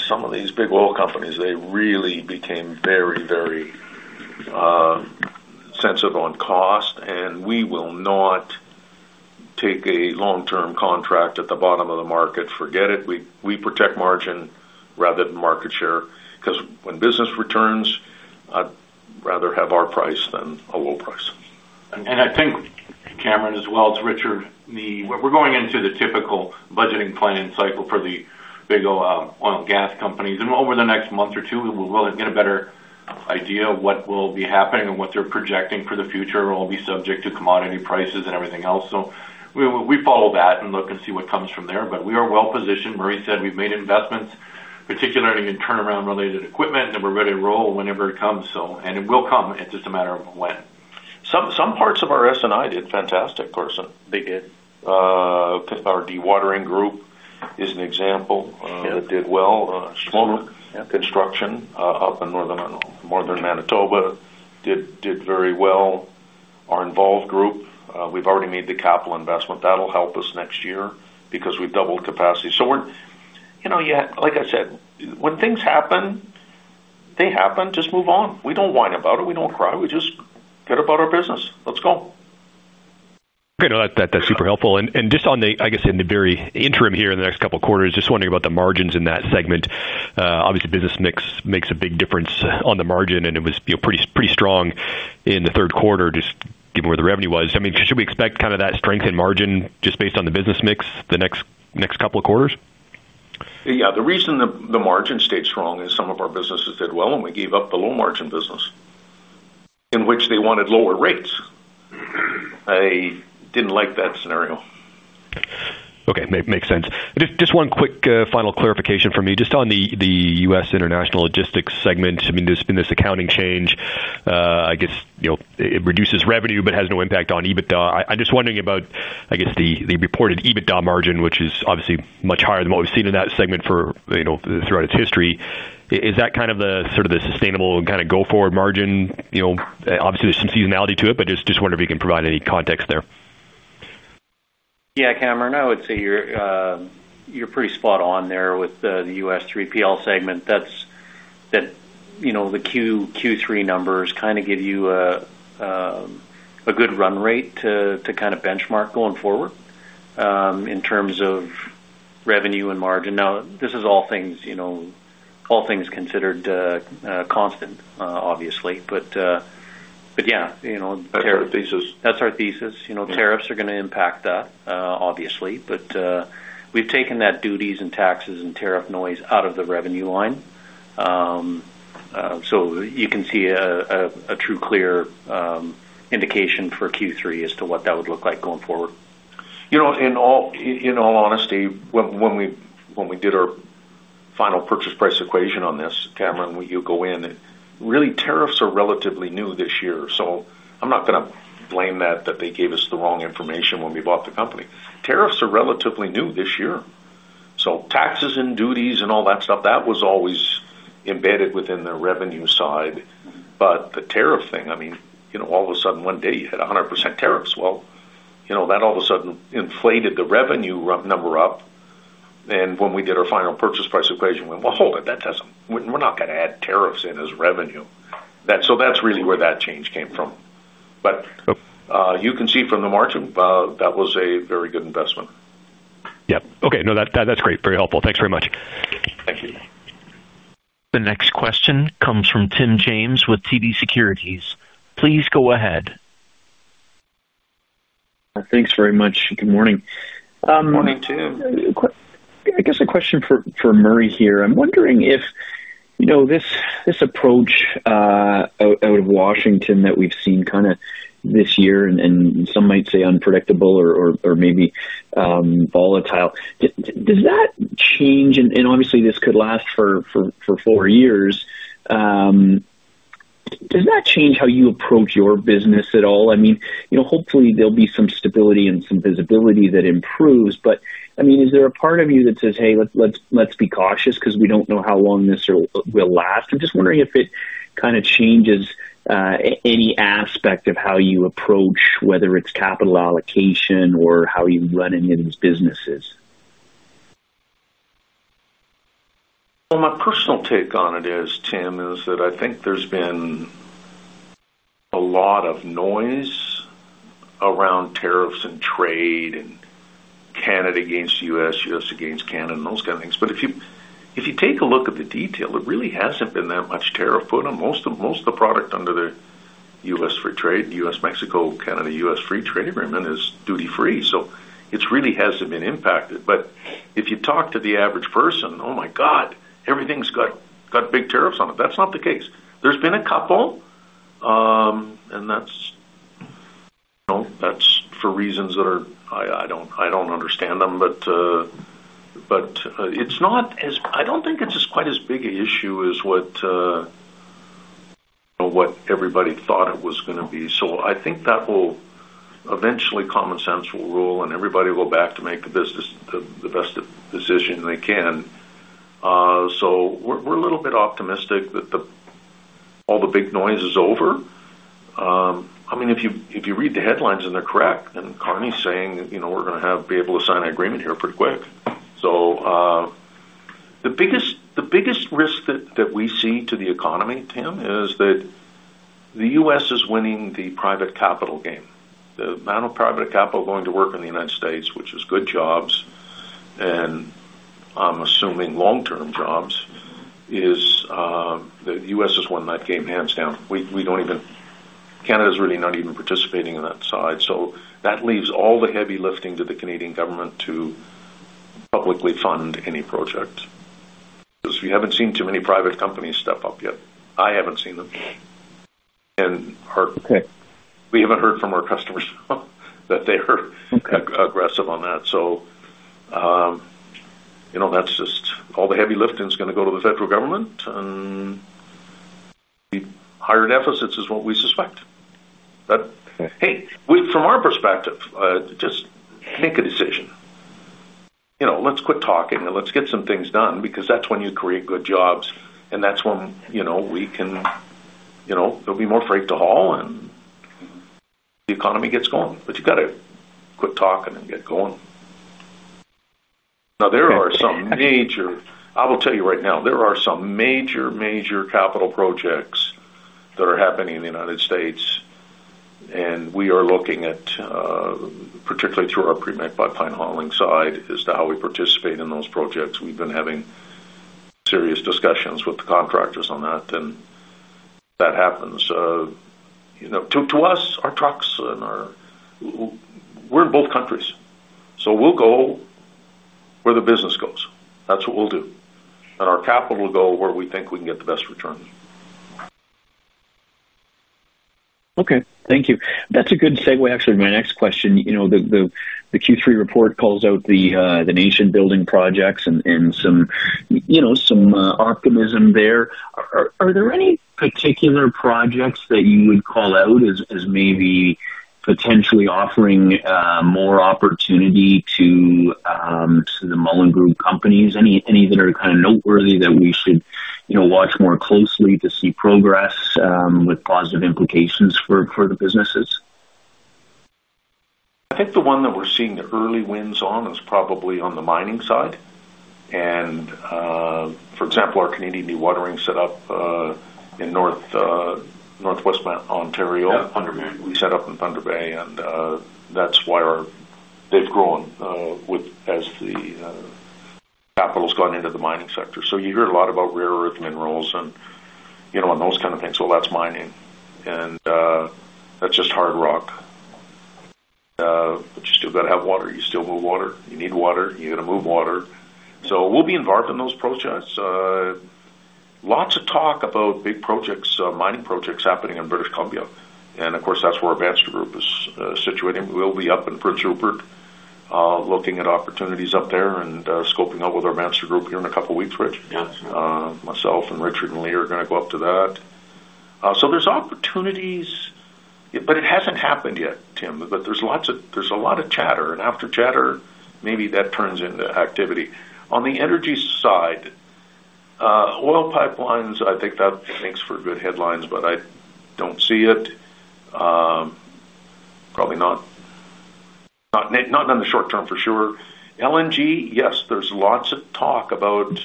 some of these big oil companies really became very, very sensitive on cost. We will not take a long-term contract at the bottom of the market. Forget it. We protect margin rather than market share because when business returns, I'd rather have our price than a low price. I think, Cameron, as well as Richard, we're going into the typical budgeting planning cycle for the big oil and gas companies. Over the next month or two, we'll get a better idea of what will be happening and what they're projecting for the future. It'll all be subject to commodity prices and everything else. We follow that and look and see what comes from there. We are well positioned. Murray said we've made investments, particularly in turnaround-related equipment, and we're ready to roll whenever it comes. It will come. It's just a matter of when. Some parts of our S&I did fantastic, Carson. They did. Our dewatering group is an example that did well. Construction up in northern Manitoba did very well. Our involved group, we've already made the capital investment. That'll help us next year because we've doubled capacity. When things happen, they happen. Just move on. We don't whine about it. We don't cry. We just go about our business. Let's go. Okay, that's super helpful. Just on the, I guess, in the very interim here in the next couple of quarters, just wondering about the margins in that segment. Obviously, business mix makes a big difference on the margin, and it was pretty strong in the third quarter, just given where the revenue was. I mean, should we expect kind of that strength in margin just based on the business mix the next couple of quarters? Yeah, the reason the margin stayed strong is some of our businesses did well when we gave up the low margin business in which they wanted lower rates. I didn't like that scenario. Okay. Makes sense. Just one quick final clarification from you. Just on the U.S. international logistics segment, there's been this accounting change. I guess it reduces revenue, but has no impact on EBITDA. I'm just wondering about the reported EBITDA margin, which is obviously much higher than what we've seen in that segment throughout its history. Is that kind of the sustainable go-forward margin? Obviously, there's some seasonality to it, but just wonder if you can provide any context there. Yeah, Cameron, I would say you're pretty spot on there with the U.S. 3PL segment. That's, you know, the Q3 numbers kind of give you a good run rate to kind of benchmark going forward in terms of revenue and margin. This is all things, you know, all things considered constant, obviously. Yeah, you know. That's our thesis. That's our thesis. Tariffs are going to impact that, obviously. We've taken that duties and taxes and tariff noise out of the revenue line, so you can see a true clear indication for Q3 as to what that would look like going forward. In all honesty, when we did our final purchase price equation on this, Cameron, you go in, really, tariffs are relatively new this year. I'm not going to blame that they gave us the wrong information when we bought the company. Tariffs are relatively new this year. Taxes and duties and all that stuff, that was always embedded within the revenue side. The tariff thing, I mean, you know, all of a sudden, one day you had 100% tariffs. You know, that all of a sudden inflated the revenue number up. When we did our final purchase price equation, we went, "Hold it. That doesn't, we're not going to add tariffs in as revenue." That's really where that change came from. You can see from the margin that was a very good investment. Okay. No, that's great. Very helpful. Thanks very much. Thank you. The next question comes from Tim James with TD Securities. Please go ahead. Thanks very much. Good morning. Morning too. I guess a question for Murray here. I'm wondering if, you know, this approach out of Washington that we've seen kind of this year, and some might say unpredictable or maybe volatile, does that change? Obviously, this could last for four years. Does that change how you approach your business at all? I mean, you know, hopefully, there'll be some stability and some visibility that improves. I mean, is there a part of you that says, "Hey, let's be cautious because we don't know how long this will last"? I'm just wondering if it kind of changes any aspect of how you approach, whether it's capital allocation or how you run any of these businesses. My personal take on it is, Tim, is that I think there's been a lot of noise around tariffs and trade and Canada against the U.S., U.S. against Canada, and those kinds of things. If you take a look at the detail, it really hasn't been that much tariff put on most of the product under the U.S. free trade. U.S.-Mexico, Canada, U.S. free trade agreement is duty-free. It really hasn't been impacted. If you talk to the average person, "Oh my God, everything's got big tariffs on it." That's not the case. There's been a couple, and that's for reasons that I don't understand them. It's not as, I don't think it's quite as big an issue as what everybody thought it was going to be. I think that eventually common sense will rule, and everybody will go back to make the business the best decision they can. We're a little bit optimistic that all the big noise is over. I mean, if you read the headlines and they're correct, and Carney's saying, "You know, we're going to have to be able to sign an agreement here pretty quick." The biggest risk that we see to the economy, Tim, is that the U.S. is winning the private capital game. The amount of private capital going to work in the United States, which is good jobs, and I'm assuming long-term jobs, is that the U.S. has won that game hands down. Canada's really not even participating in that side. That leaves all the heavy lifting to the Canadian government to publicly fund any project because we haven't seen too many private companies step up yet. I haven't seen them. We haven't heard from our customers that they're aggressive on that. All the heavy lifting is going to go to the federal government, and the higher deficits is what we suspect. Hey, from our perspective, just make a decision. Let's quit talking and let's get some things done because that's when you create good jobs, and that's when you know we can, you know, there'll be more freight to haul and the economy gets going. You got to quit talking and get going. There are some major, I will tell you right now, there are some major, major capital projects that are happening in the United States. We are looking at, particularly through our pre-made pipeline hauling side, as to how we participate in those projects. We've been having serious discussions with the contractors on that, and that happens. To us, our trucks and our, we're in both countries. We'll go where the business goes. That's what we'll do. Our capital will go where we think we can get the best returns. Okay. Thank you. That's a good segue actually to my next question. You know, the Q3 report calls out the nation-building projects and some optimism there. Are there any particular projects that you would call out as maybe potentially offering more opportunity to the Mullen Group companies? Any that are kind of noteworthy that we should watch more closely to see progress with positive implications for the businesses? I think the one that we're seeing the early wins on is probably on the mining side. For example, our Canadian dewatering set up in Northwest Ontario. Thunder Bay. We set up in Thunder Bay, and that's why they've grown, as the capital has gone into the mining sector. You hear a lot about rare earth minerals and those kinds of things. That's mining, and that's just hard rock, but you still got to have water. You still move water. You need water. You got to move water. We'll be involved in those projects. Lots of talk about big projects, mining projects happening in British Columbia. Of course, that's where Advanced Group is situated. We'll be up in Prince Rupert, looking at opportunities up there and scoping up with our Advanced Group here in a couple of weeks, Rich. Yeah, that's right. Myself, Richard, and Lee are going to go up to that. There are opportunities, but it hasn't happened yet, Tim. There is a lot of chatter. After chatter, maybe that turns into activity. On the energy side, oil pipelines make for good headlines, but I don't see it, probably not, not in the short term for sure. LNG, yes, there's lots of talk about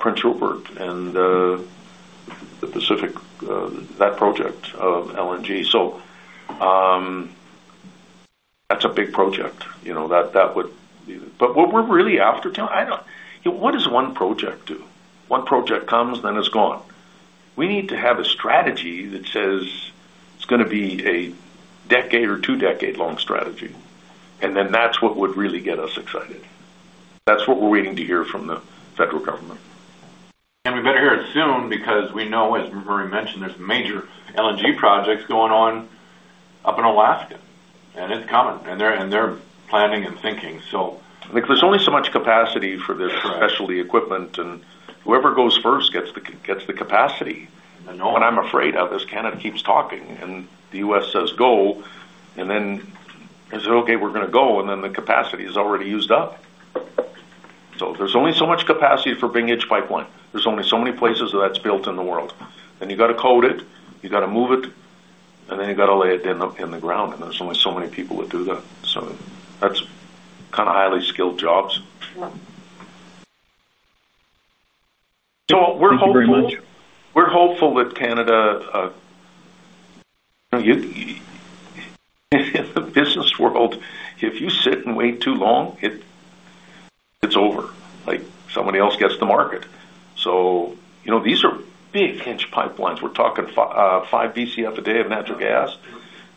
Prince Rupert and the Pacific, that project of LNG. That's a big project. That would be, but what we're really after, Tim, I don't, you know, what does one project do? One project comes, then it's gone. We need to have a strategy that says it's going to be a decade or two decade-long strategy. That's what would really get us excited. That's what we're waiting to hear from the federal government. We better hear it soon because we know, as Murray Mullen mentioned, there are major LNG projects going on up in Alaska. It's coming, and they're planning and thinking. Because there's only so much capacity for this specialty equipment. Whoever goes first gets the capacity. I'm afraid of this. Canada keeps talking. The U.S. says, "Go." They say, "Okay, we're going to go." The capacity is already used up. There's only so much capacity for pipeline. There are only so many places that's built in the world. You have to code it, you have to move it, and then you have to lay it in the ground. There are only so many people that do that. Those are highly skilled jobs. We're hopeful that Canada, you know, in the business world, if you sit and wait too long, it's over. Somebody else gets the market. These are big huge pipelines. We're talking 5 BCF a day of natural gas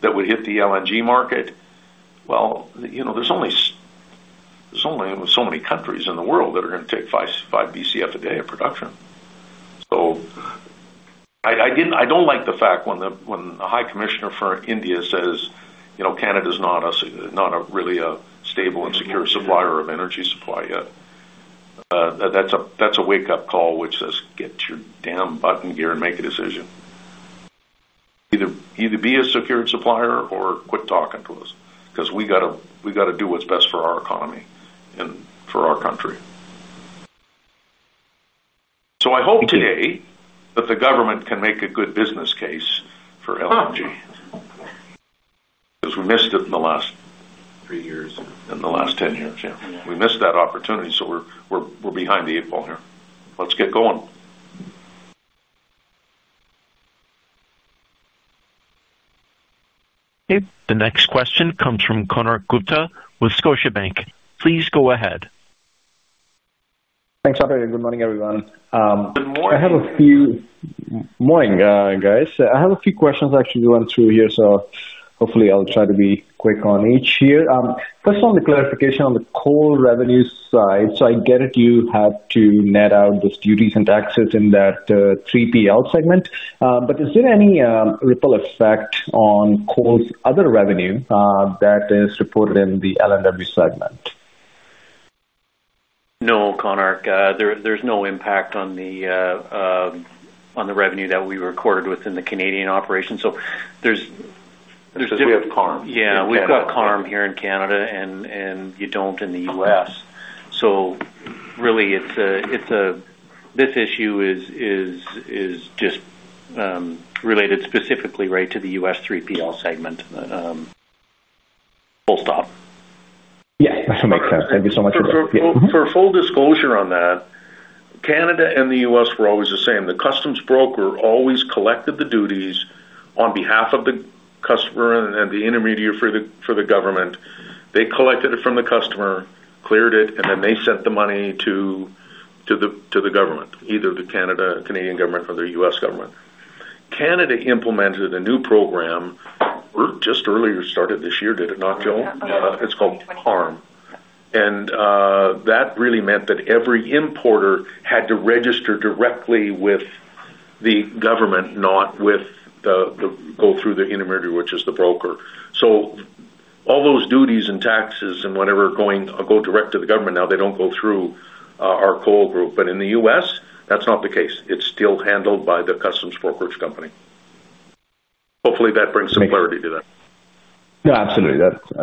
that would hit the LNG market. There are only so many countries in the world that are going to take 5 BCF a day of production. I don't like the fact when the High Commissioner for India says Canada is not a really stable and secure supplier of energy supply yet. That's a wake-up call, which says, "Get your damn butt in gear and make a decision. Either be a secured supplier or quit talking to us because we have to do what's best for our economy and for our country." I hope today that the government can make a good business case for LNG because we missed it in the last. Three years. In the last 10 years, yeah, we missed that opportunity. We're behind the eight ball here. Let's get going. Okay. The next question comes from Konark Gupta with Scotiabank. Please go ahead. Thanks, operator. Good morning, everyone. Good morning. I have a few questions actually going through here. Hopefully, I'll try to be quick on each here. First one, the clarification on the Cole Group revenue side. I get it, you have to net out these duties and taxes in that 3PL segment. Is there any ripple effect on Cole Group's other revenue that is reported in the L&W segment? No, Konar. There's no impact on the revenue that we recorded within the Canadian operation. There's. We have CARM. Yeah, we've got CARM here in Canada and you don't in the U.S. This issue is just related specifically to the U.S. 3PL segment. Full stop. Yeah, that makes sense. Thank you so much for that. For full disclosure on that, Canada and the U.S. were always the same. The customs broker always collected the duties on behalf of the customer and the intermediary for the government. They collected it from the customer, cleared it, and then they sent the money to the government, either the Canadian government or the U.S. government. Canada implemented a new program. We just earlier started this year, did it not,? It's called CARM. That really meant that every importer had to register directly with the government, not go through the intermediary, which is the broker. All those duties and taxes and whatever go direct to the government now, they don't go through our Cole Group. In the U.S., that's not the case. It's still handled by the customs brokerage company. Hopefully, that brings some clarity to that. No, absolutely.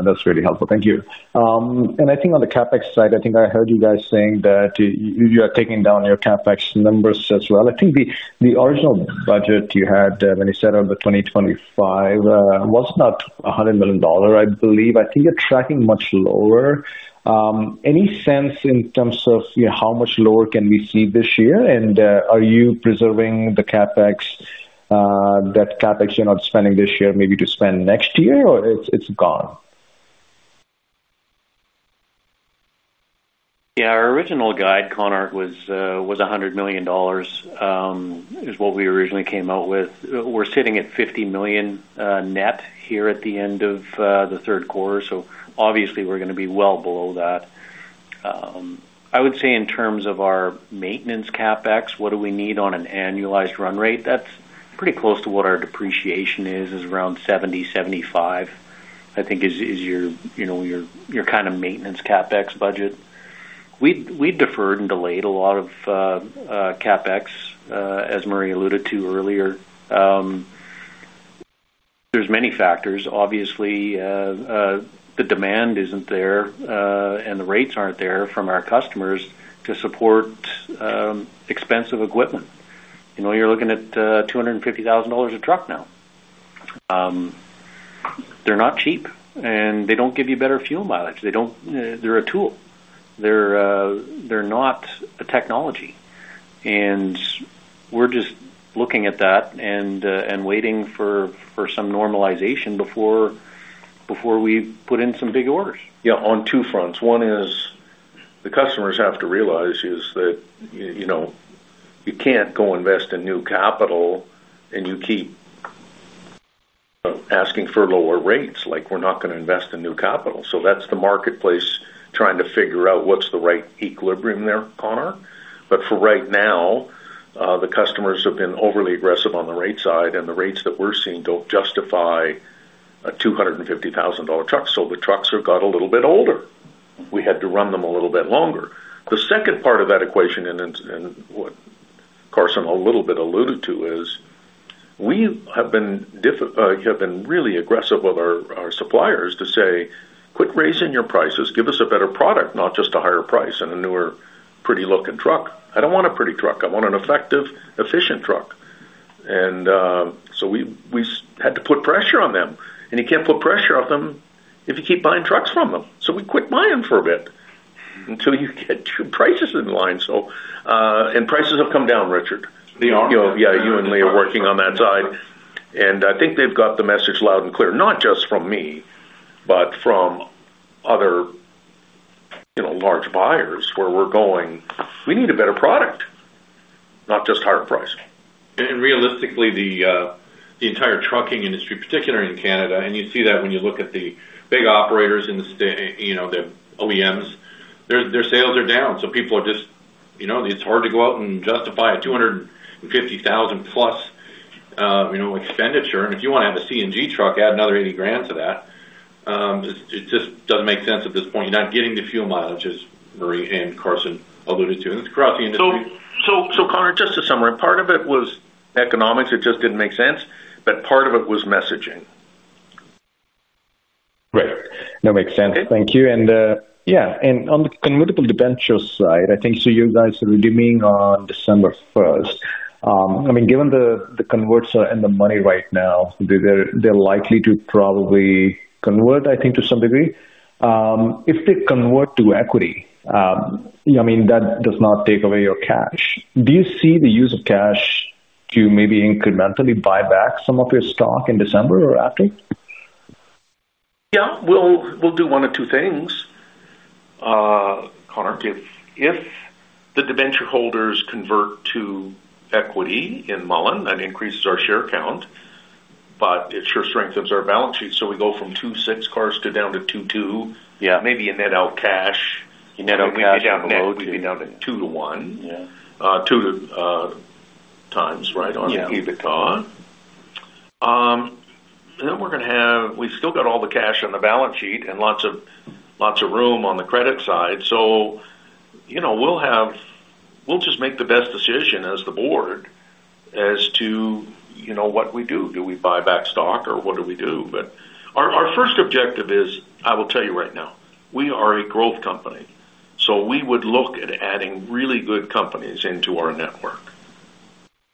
That's really helpful. Thank you. I think on the CapEx side, I think I heard you guys saying that you are taking down your CapEx numbers as well. I think the original budget you had when you set out the 2025 was not $100 million, I believe. I think you're tracking much lower. Any sense in terms of how much lower can we see this year? Are you preserving the CapEx that you're not spending this year maybe to spend next year, or it's gone? Yeah, our original guide, Konar, was $100 million, is what we originally came out with. We're sitting at $50 million net here at the end of the third quarter. Obviously, we're going to be well below that. I would say in terms of our maintenance CapEx, what do we need on an annualized run rate? That's pretty close to what our depreciation is, is around $70 million, $75 million, I think is your kind of maintenance CapEx budget. We deferred and delayed a lot of CapEx, as Murray alluded to earlier. There are many factors. Obviously, the demand isn't there, and the rates aren't there from our customers to support expensive equipment. You're looking at $250,000 a truck now. They're not cheap, and they don't give you better fuel mileage. They don't, they're a tool. They're not a technology. We're just looking at that and waiting for some normalization before we put in some big orders. Yeah, on two fronts. One is the customers have to realize that, you know, you can't go invest in new capital and you keep asking for lower rates. Like, we're not going to invest in new capital. That's the marketplace trying to figure out what's the right equilibrium there, Konar. For right now, the customers have been overly aggressive on the rate side, and the rates that we're seeing don't justify a $250,000 truck. The trucks have got a little bit older. We had to run them a little bit longer. The second part of that equation, and what Carson a little bit alluded to, is we have been really aggressive with our suppliers to say, "Quit raising your prices. Give us a better product, not just a higher price and a newer pretty looking truck. I don't want a pretty truck. I want an effective, efficient truck." We had to put pressure on them. You can't put pressure on them if you keep buying trucks from them. We quit buying for a bit until you get your prices in line. Prices have come down, Richard. You and Lee are working on that side. I think they've got the message loud and clear, not just from me, but from other large buyers where we're going, "We need a better product, not just higher price. Realistically, the entire tucking industry, particularly in Canada, and you see that when you look at the big operators in the state, you know, the OEMs, their sales are down. People are just, you know, it's hard to go out and justify a $250,000+ expenditure. If you want to have a CNG truck, add another $80,000 to that. It just doesn't make sense at this point. You're not getting the fuel mileages Murray and [Carson] alluded to, and it's across the industry. Konar, just to summarize, part of it was economics. It just didn't make sense. Part of it was messaging. Right. That makes sense. Thank you. On the convertible debenture side, I think you guys are deeming on December 1st. I mean, given the converts and the money right now, they're likely to probably convert, I think, to some degree. If they convert to equity, that does not take away your cash. Do you see the use of cash to maybe incrementally buy back some of your stock in December or after? We'll do one or two things, Konar. If the debenture holders convert to equity in Mullen that increases our share count. It sure strengthens our balance sheet. We go from 2.6 cars down to 2.2. Maybe you net out cash. We'd be down to $2.1 million. We'd be down to 2 to 1. Yeah, 2x right, on EBITDA. We're going to have, we've still got all the cash on the balance sheet and lots of room on the credit side. We'll just make the best decision as the board as to what we do. Do we buy back stock or what do we do? Our first objective is, I will tell you right now, we are a growth company. We would look at adding really good companies into our network.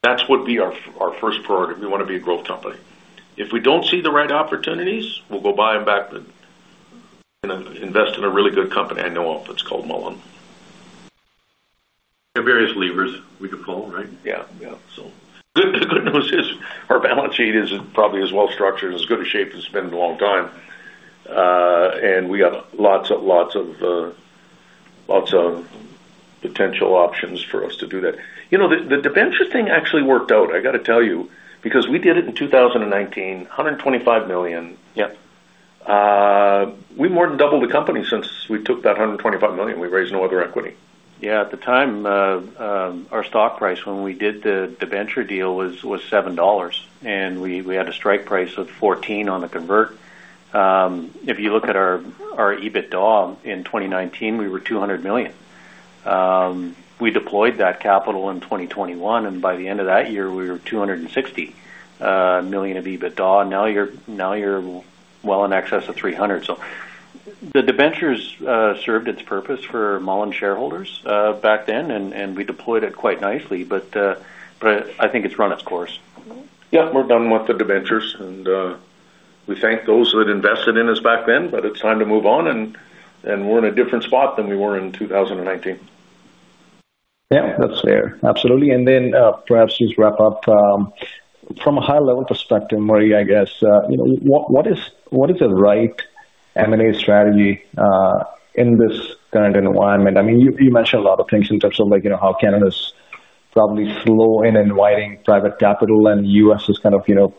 That would be our first priority. We want to be a growth company. If we don't see the right opportunities, we'll go buy them back and invest in a really good company I know of. It's called Mullen. There are various levers we could pull, right? Yeah. The good news is our balance sheet is probably as well structured, as good a shape as it's been in a long time. We got lots of potential options for us to do that. You know, the debenture thing actually worked out, I got to tell you, because we did it in 2019, $125 million. We more than doubled the company since we took that $125 million. We raised no other equity. At the time, our stock price when we did the debenture deal was $7, and we had a strike price of $14 on the convert. If you look at our EBITDA in 2019, we were $200 million. We deployed that capital in 2021, and by the end of that year, we were $260 million of EBITDA. Now you're well in excess of $300 million. The debentures served its purpose for Mullen shareholders back then, and we deployed it quite nicely. I think it's run its course. Yeah, we're done with the debentures. We thank those that invested in us back then, but it's time to move on. We're in a different spot than we were in 2019. Yeah, that's fair. Absolutely. Perhaps just wrap up from a high-level perspective, Murray, I guess. You know, what is the right M&A strategy in this current environment? I mean, you mentioned a lot of things in terms of like, you know, how Canada is probably slow in inviting private capital and the U.S. is kind of, you know,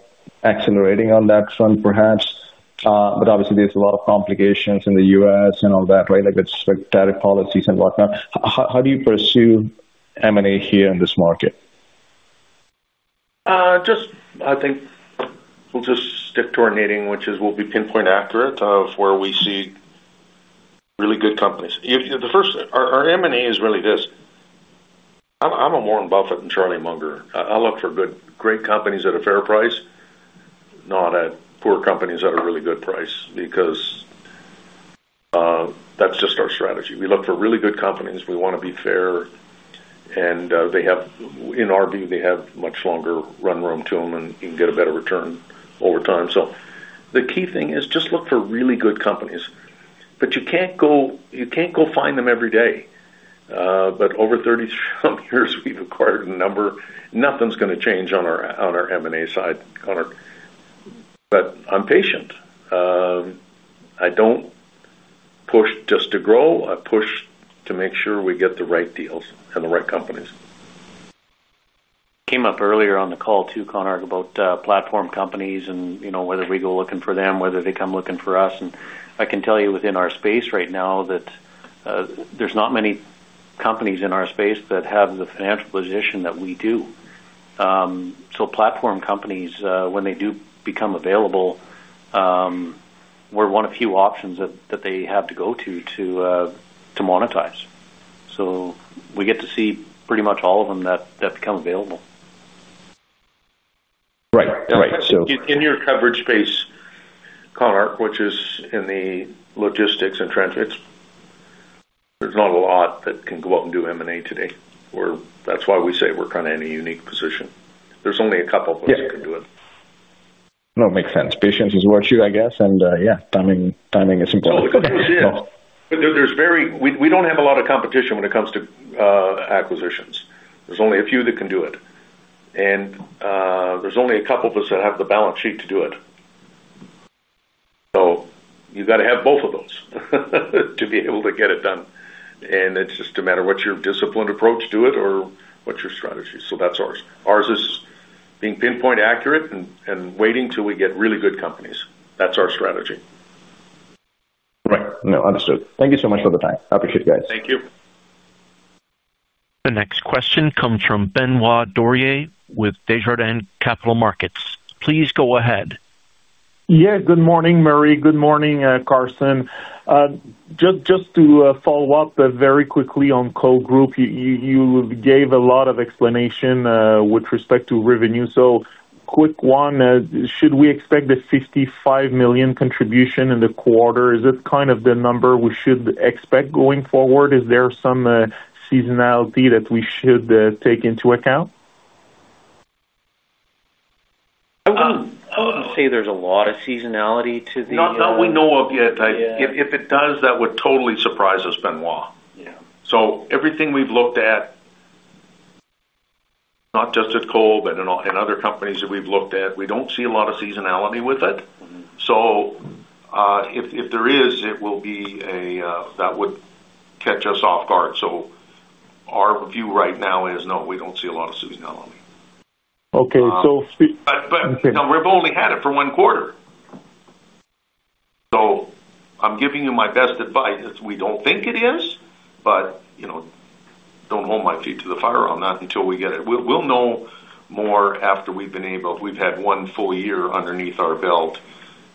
accelerating on that front perhaps. Obviously, there's a lot of complications in the U.S. and all that, right? Like it's tariff policies and whatnot. How do you pursue M&A here in this market? I think we'll just stick to our netting, which is we'll be pinpoint accurate of where we see really good companies. The first thing, our M&A is really this. I'm a Warren Buffett and Charlie Munger. I look for great companies at a fair price, not at poor companies at a really good price because that's just our strategy. We look for really good companies. We want to be fair. In our view, they have much longer run room to them and you can get a better return over time. The key thing is just look for really good companies. You can't go find them every day. Over 30-some years, we've acquired a number. Nothing's going to change on our M&A side. I'm patient. I don't push just to grow. I push to make sure we get the right deals and the right companies. Came up earlier on the call too, Konar, about platform companies and you know whether we go looking for them, whether they come looking for us. I can tell you within our space right now that there's not many companies in our space that have the financial position that we do. Platform companies, when they do become available, we're one of few options that they have to go to to monetize. We get to see pretty much all of them that become available. Right. In your coverage space, Konar, which is in the logistics and transits, there's not a lot that can go out and do M&A today. That's why we say we're kind of in a unique position. There's only a couple of us that can do it. Yeah, no, it makes sense. Patience is a virtue, I guess, and yeah, timing is important. No, it's okay. We don't have a lot of competition when it comes to acquisitions. There's only a few that can do it. There's only a couple of us that have the balance sheet to do it. You have to have both of those to be able to get it done. It's just a matter of what's your disciplined approach to it or what's your strategy. That's ours. Ours is being pinpoint accurate and waiting till we get really good companies. That's our strategy. Right. No, understood. Thank you so much for the time. I appreciate it, guys. Thank you. The next question comes from Benoit Poirier with Desjardins Capital Markets. Please go ahead. Yeah, good morning, Murray. Good morning, Carson. Just to follow up very quickly on Cole Group, you gave a lot of explanation with respect to revenue. Quick one, should we expect a $55 million contribution in the quarter? Is it kind of the number we should expect going forward? Is there some seasonality that we should take into account? I wouldn't say there's a lot of seasonality to this. Not that we know of yet. If it does, that would totally surprise us, Benoit. Everything we've looked at, not just at Cole Group, but in other companies that we've looked at, we don't see a lot of seasonality with it. If there is, that would catch us off guard. Our view right now is, no, we don't see a lot of seasonality. Okay. So. We've only had it for one quarter. I'm giving you my best advice. We don't think it is, but you know, don't hold my feet to the fire on that until we get it. We'll know more after we've been able, if we've had one full year underneath our belt.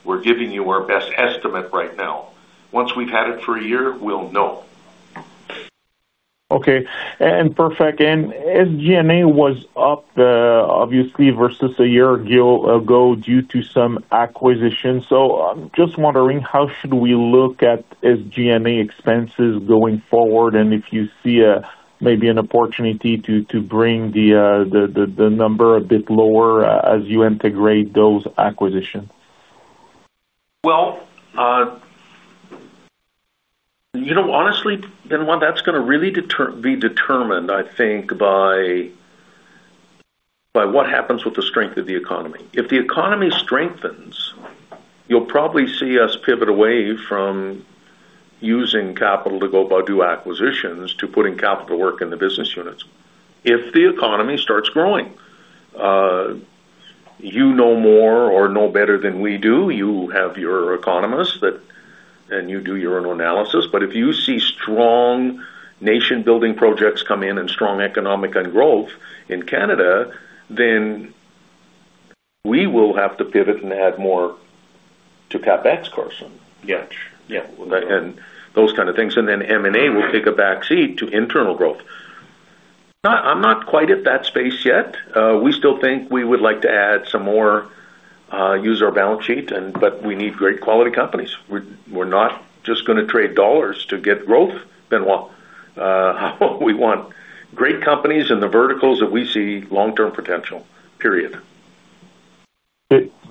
We're giving you our best estimate right now. Once we've had it for a year, we'll know. Okay. Perfect. SG&A was up, obviously, versus a year ago due to some acquisitions. I'm just wondering, how should we look at SG&A expenses going forward? Do you see maybe an opportunity to bring the number a bit lower as you integrate those acquisitions? Honestly, Benoit, that's going to really be determined, I think, by what happens with the strength of the economy. If the economy strengthens, you'll probably see us pivot away from using capital to go do acquisitions to putting capital to work in the business units. If the economy starts growing, you know more or know better than we do. You have your economists, and you do your own analysis. If you see strong nation-building projects come in and strong economic growth in Canada, then we will have to pivot and add more to CapEx, Carson. Yeah. M&A will take a backseat to internal growth. I'm not quite at that space yet. We still think we would like to add some more, use our balance sheet, but we need great quality companies. We're not just going to trade dollars to get growth, Benoit. We want great companies in the verticals that we see long-term potential, period.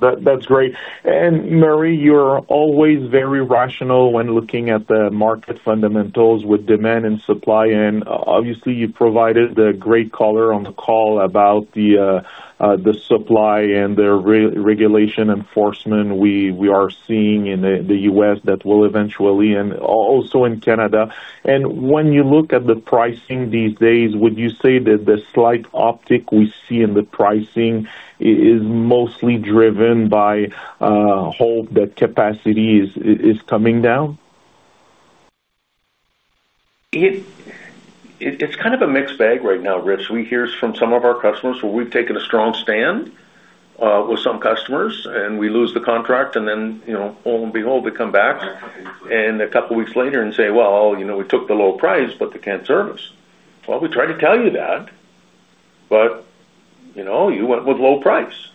That's great. Murray, you're always very rational when looking at the market fundamentals with demand and supply. Obviously, you provided the great color on the call about the supply and the regulation enforcement we are seeing in the U.S. that will eventually, and also in Canada. When you look at the pricing these days, would you say that the slight uptick we see in the pricing is. Is Mostly driven by hope that capacity is coming down? It's kind of a mixed bag right now, Rich. We hear from some of our customers where we've taken a strong stand with some customers, and we lose the contract, and then, you know, lo and behold, they come back a couple of weeks later and say, "You know, we took the low price, but they can't service us." We try to tell you that, but you went with low price.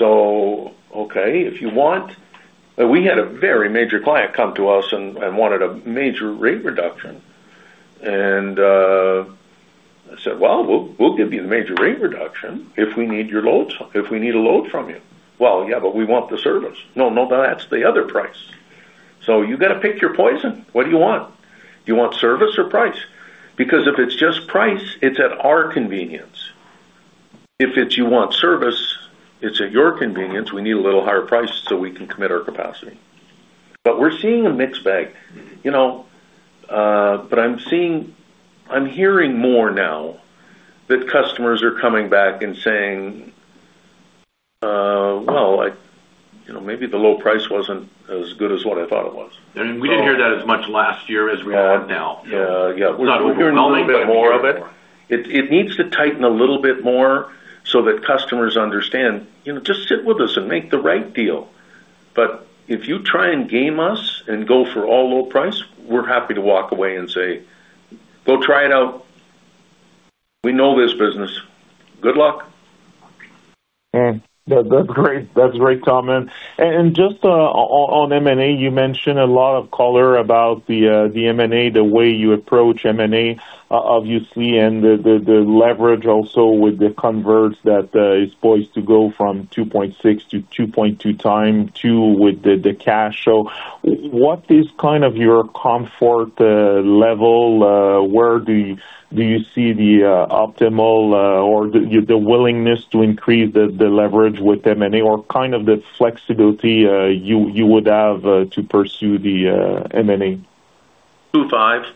If you want, but we had a very major client come to us and wanted a major rate reduction. I said, "We'll give you the major rate reduction if we need your loads, if we need a load from you." "Yeah, but we want the service." "No, that's the other price." You gotta pick your poison. What do you want? You want service or price? Because if it's just price, it's at our convenience. If you want service, it's at your convenience. We need a little higher price so we can commit our capacity. We're seeing a mixed bag. I'm seeing, I'm hearing more now that customers are coming back and saying, "Well, I, you know, maybe the low price wasn't as good as what I thought it was. We didn't hear that as much last year as we are now. Yeah, we're hearing a little bit more of it. We're hearing a little bit more. It needs to tighten a little bit more so that customers understand, you know, just sit with us and make the right deal. If you try and game us and go for all low price, we're happy to walk away and say, "Go try it out. We know this business. Good luck. Yeah, that's great. That's a great comment. Just on M&A, you mentioned a lot of color about the M&A, the way you approach M&A, obviously, and the leverage also with the converts that is poised to go from 2.6 to 2.2x with the cash. What is kind of your comfort level? Where do you see the optimal, or the willingness to increase the leverage with M&A or kind of the flexibility you would have to pursue the M&A? 2.5.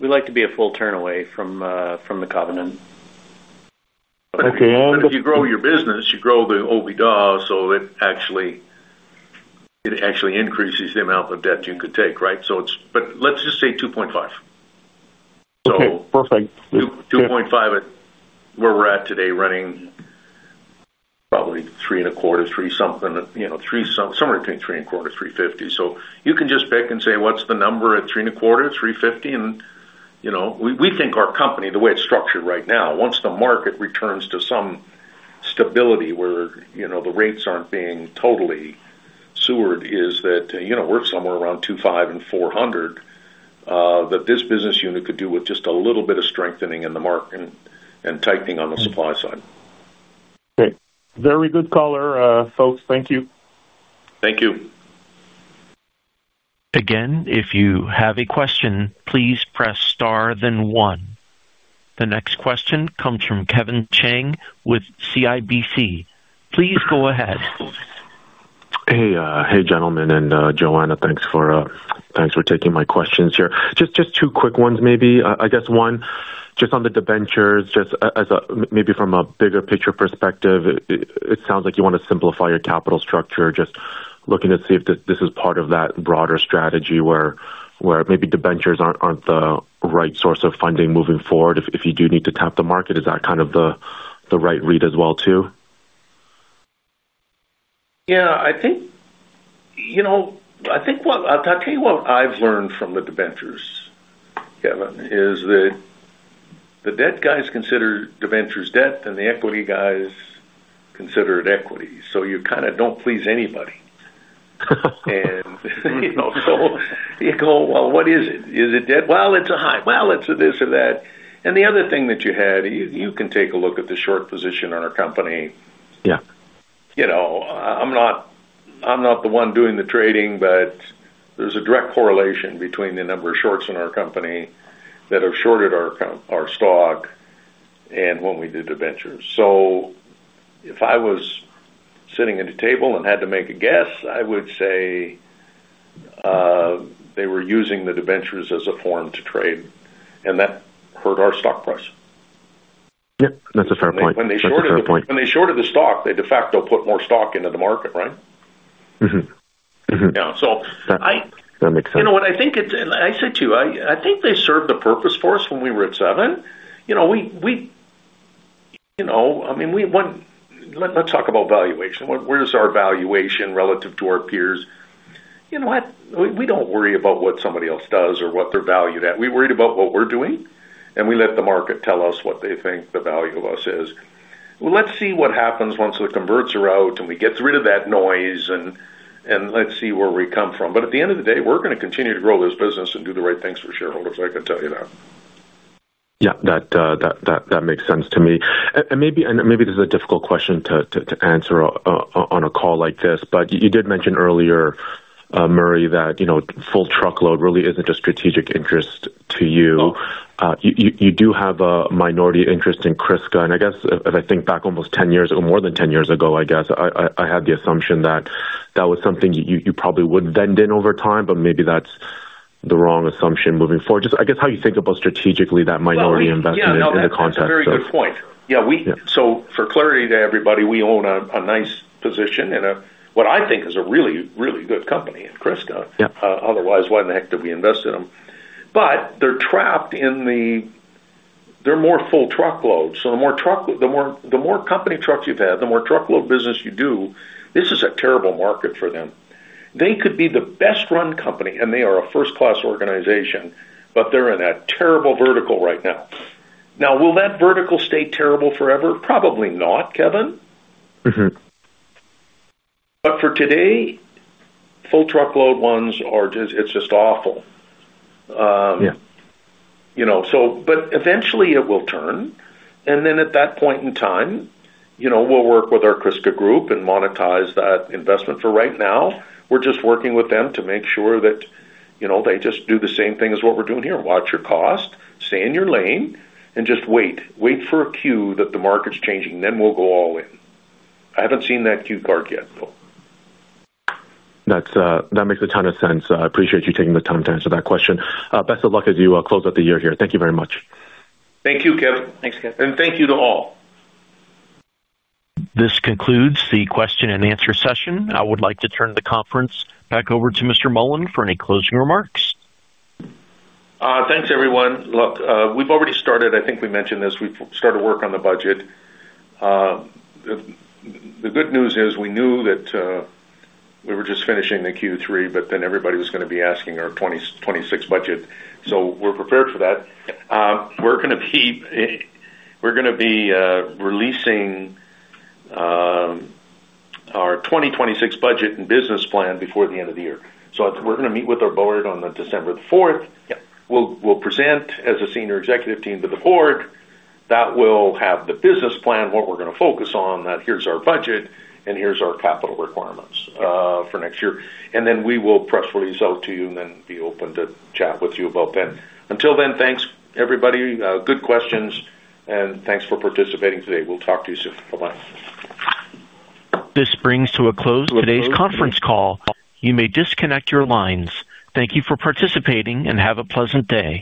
We like to be a full turn away from the covenant. Okay. And. Because you grow your business, you grow the OIBDA. It actually increases the amount of debt you could take, right? Let's just say 2.5. Okay. Perfect. 2.5 at where we're at today, running probably $3.25, $3 something, you know, $3 some, somewhere between $3.25, $3.50. You can just pick and say, "What's the number at $3.25, $3.50?" We think our company, the way it's structured right now, once the market returns to some stability where the rates aren't being totally sewered, is that we're somewhere around $2.5 and $4.00, that this business unit could do with just a little bit of strengthening in the market and tightening on the supply side. Okay. Very good color, folks. Thank you. Thank you. Again, if you have a question, please press star, then one. The next question comes from Kevin Chiang with CIBC. Please go ahead. Hey, gentlemen, and Joanna, thanks for taking my questions here. Just two quick ones maybe. I guess one, just on the convertible debentures, just as a, maybe from a bigger picture perspective, it sounds like you want to simplify your capital structure. Just looking to see if this is part of that broader strategy where maybe convertible debentures aren't the right source of funding moving forward. If you do need to tap the market, is that kind of the right read as well too? Yeah. I think what I'll tell you what I've learned from the debentures, Kevin, is that the debt guys consider debentures debt, and the equity guys consider it equity. You kinda don't please anybody. You go, "What is it? Is it debt? It's a high. It's a this or that." The other thing that you had, you can take a look at the short position on our company. Yeah. I'm not the one doing the trading, but there's a direct correlation between the number of shorts in our company that have shorted our stock and when we did convertible debentures. If I was sitting at a table and had to make a guess, I would say they were using the convertible debentures as a form to trade, and that hurt our stock price. Yep, that's a fair point. When they shorted the stock, they de facto put more stock into the market, right? Mm-hmm. Mm-hmm. Yeah, I. That makes sense. You know what? I think it's, I think they served a purpose for us when we were at seven. You know, we went, let's talk about valuation. What is our valuation relative to our peers? You know what? We don't worry about what somebody else does or what they're valued at. We worried about what we're doing, and we let the market tell us what they think the value of us is. Let's see what happens once the converts are out and we get rid of that noise, and let's see where we come from. At the end of the day, we're going to continue to grow this business and do the right things for shareholders. I can tell you that. Yeah, that makes sense to me. Maybe this is a difficult question to answer on a call like this, but you did mention earlier, Murray, that, you know, full truckload really isn't a strategic interest to you. You do have a minority interest in CRISCA. I guess, as I think back almost 10 years or more than 10 years ago, I had the assumption that that was something you probably wouldn't vend in over time, but maybe that's the wrong assumption moving forward. Just, I guess, how you think about strategically that minority investment in the context of. Yeah, that's a very good point. We. Yeah. For clarity to everybody, we own a nice position in what I think is a really, really good company in Cole Group. Yeah. Otherwise, why in the heck did we invest in them? They're trapped in the, they're more full truckload. The more truckload, the more company trucks you've had, the more truckload business you do, this is a terrible market for them. They could be the best-run company, and they are a first-class organization, but they're in a terrible vertical right now. Now, will that vertical stay terrible forever? Probably not, Kevin. Mm-hmm. For today, full truckload ones are just, it's just awful. Yeah. Eventually, it will turn. At that point in time, we'll work with our Cole Group and monetize that investment. For right now, we're just working with them to make sure that they just do the same thing as what we're doing here: watch your cost, stay in your lane, and just wait for a cue that the market's changing. Then we'll go all in. I haven't seen that cue card yet, though. That makes a ton of sense. I appreciate you taking the time to answer that question. Best of luck as you close out the year here. Thank you very much. Thank you, Kevin. Thanks, Kev. Thank you to all. This concludes the question and answer session. I would like to turn the conference back over to Mr. Mullen for any closing remarks. Thanks, everyone. Look, we've already started, I think we mentioned this, we've started work on the budget. The good news is we knew that, we were just finishing the Q3, but then everybody was going to be asking our 2026 budget. We're prepared for that. We are going to be releasing our 2026 budget and business plan before the end of the year. We are going to meet with our board on December 4th. Yeah. We'll present as a Senior Executive Team to the board that will have the business plan, what we're going to focus on, that here's our budget, and here's our capital requirements for next year. We will press release out to you and then be open to chat with you about then. Until then, thanks, everybody. Good questions, and thanks for participating today. We'll talk to you soon. Bye-bye. This brings to a close today's conference call. You may disconnect your lines. Thank you for participating and have a pleasant day.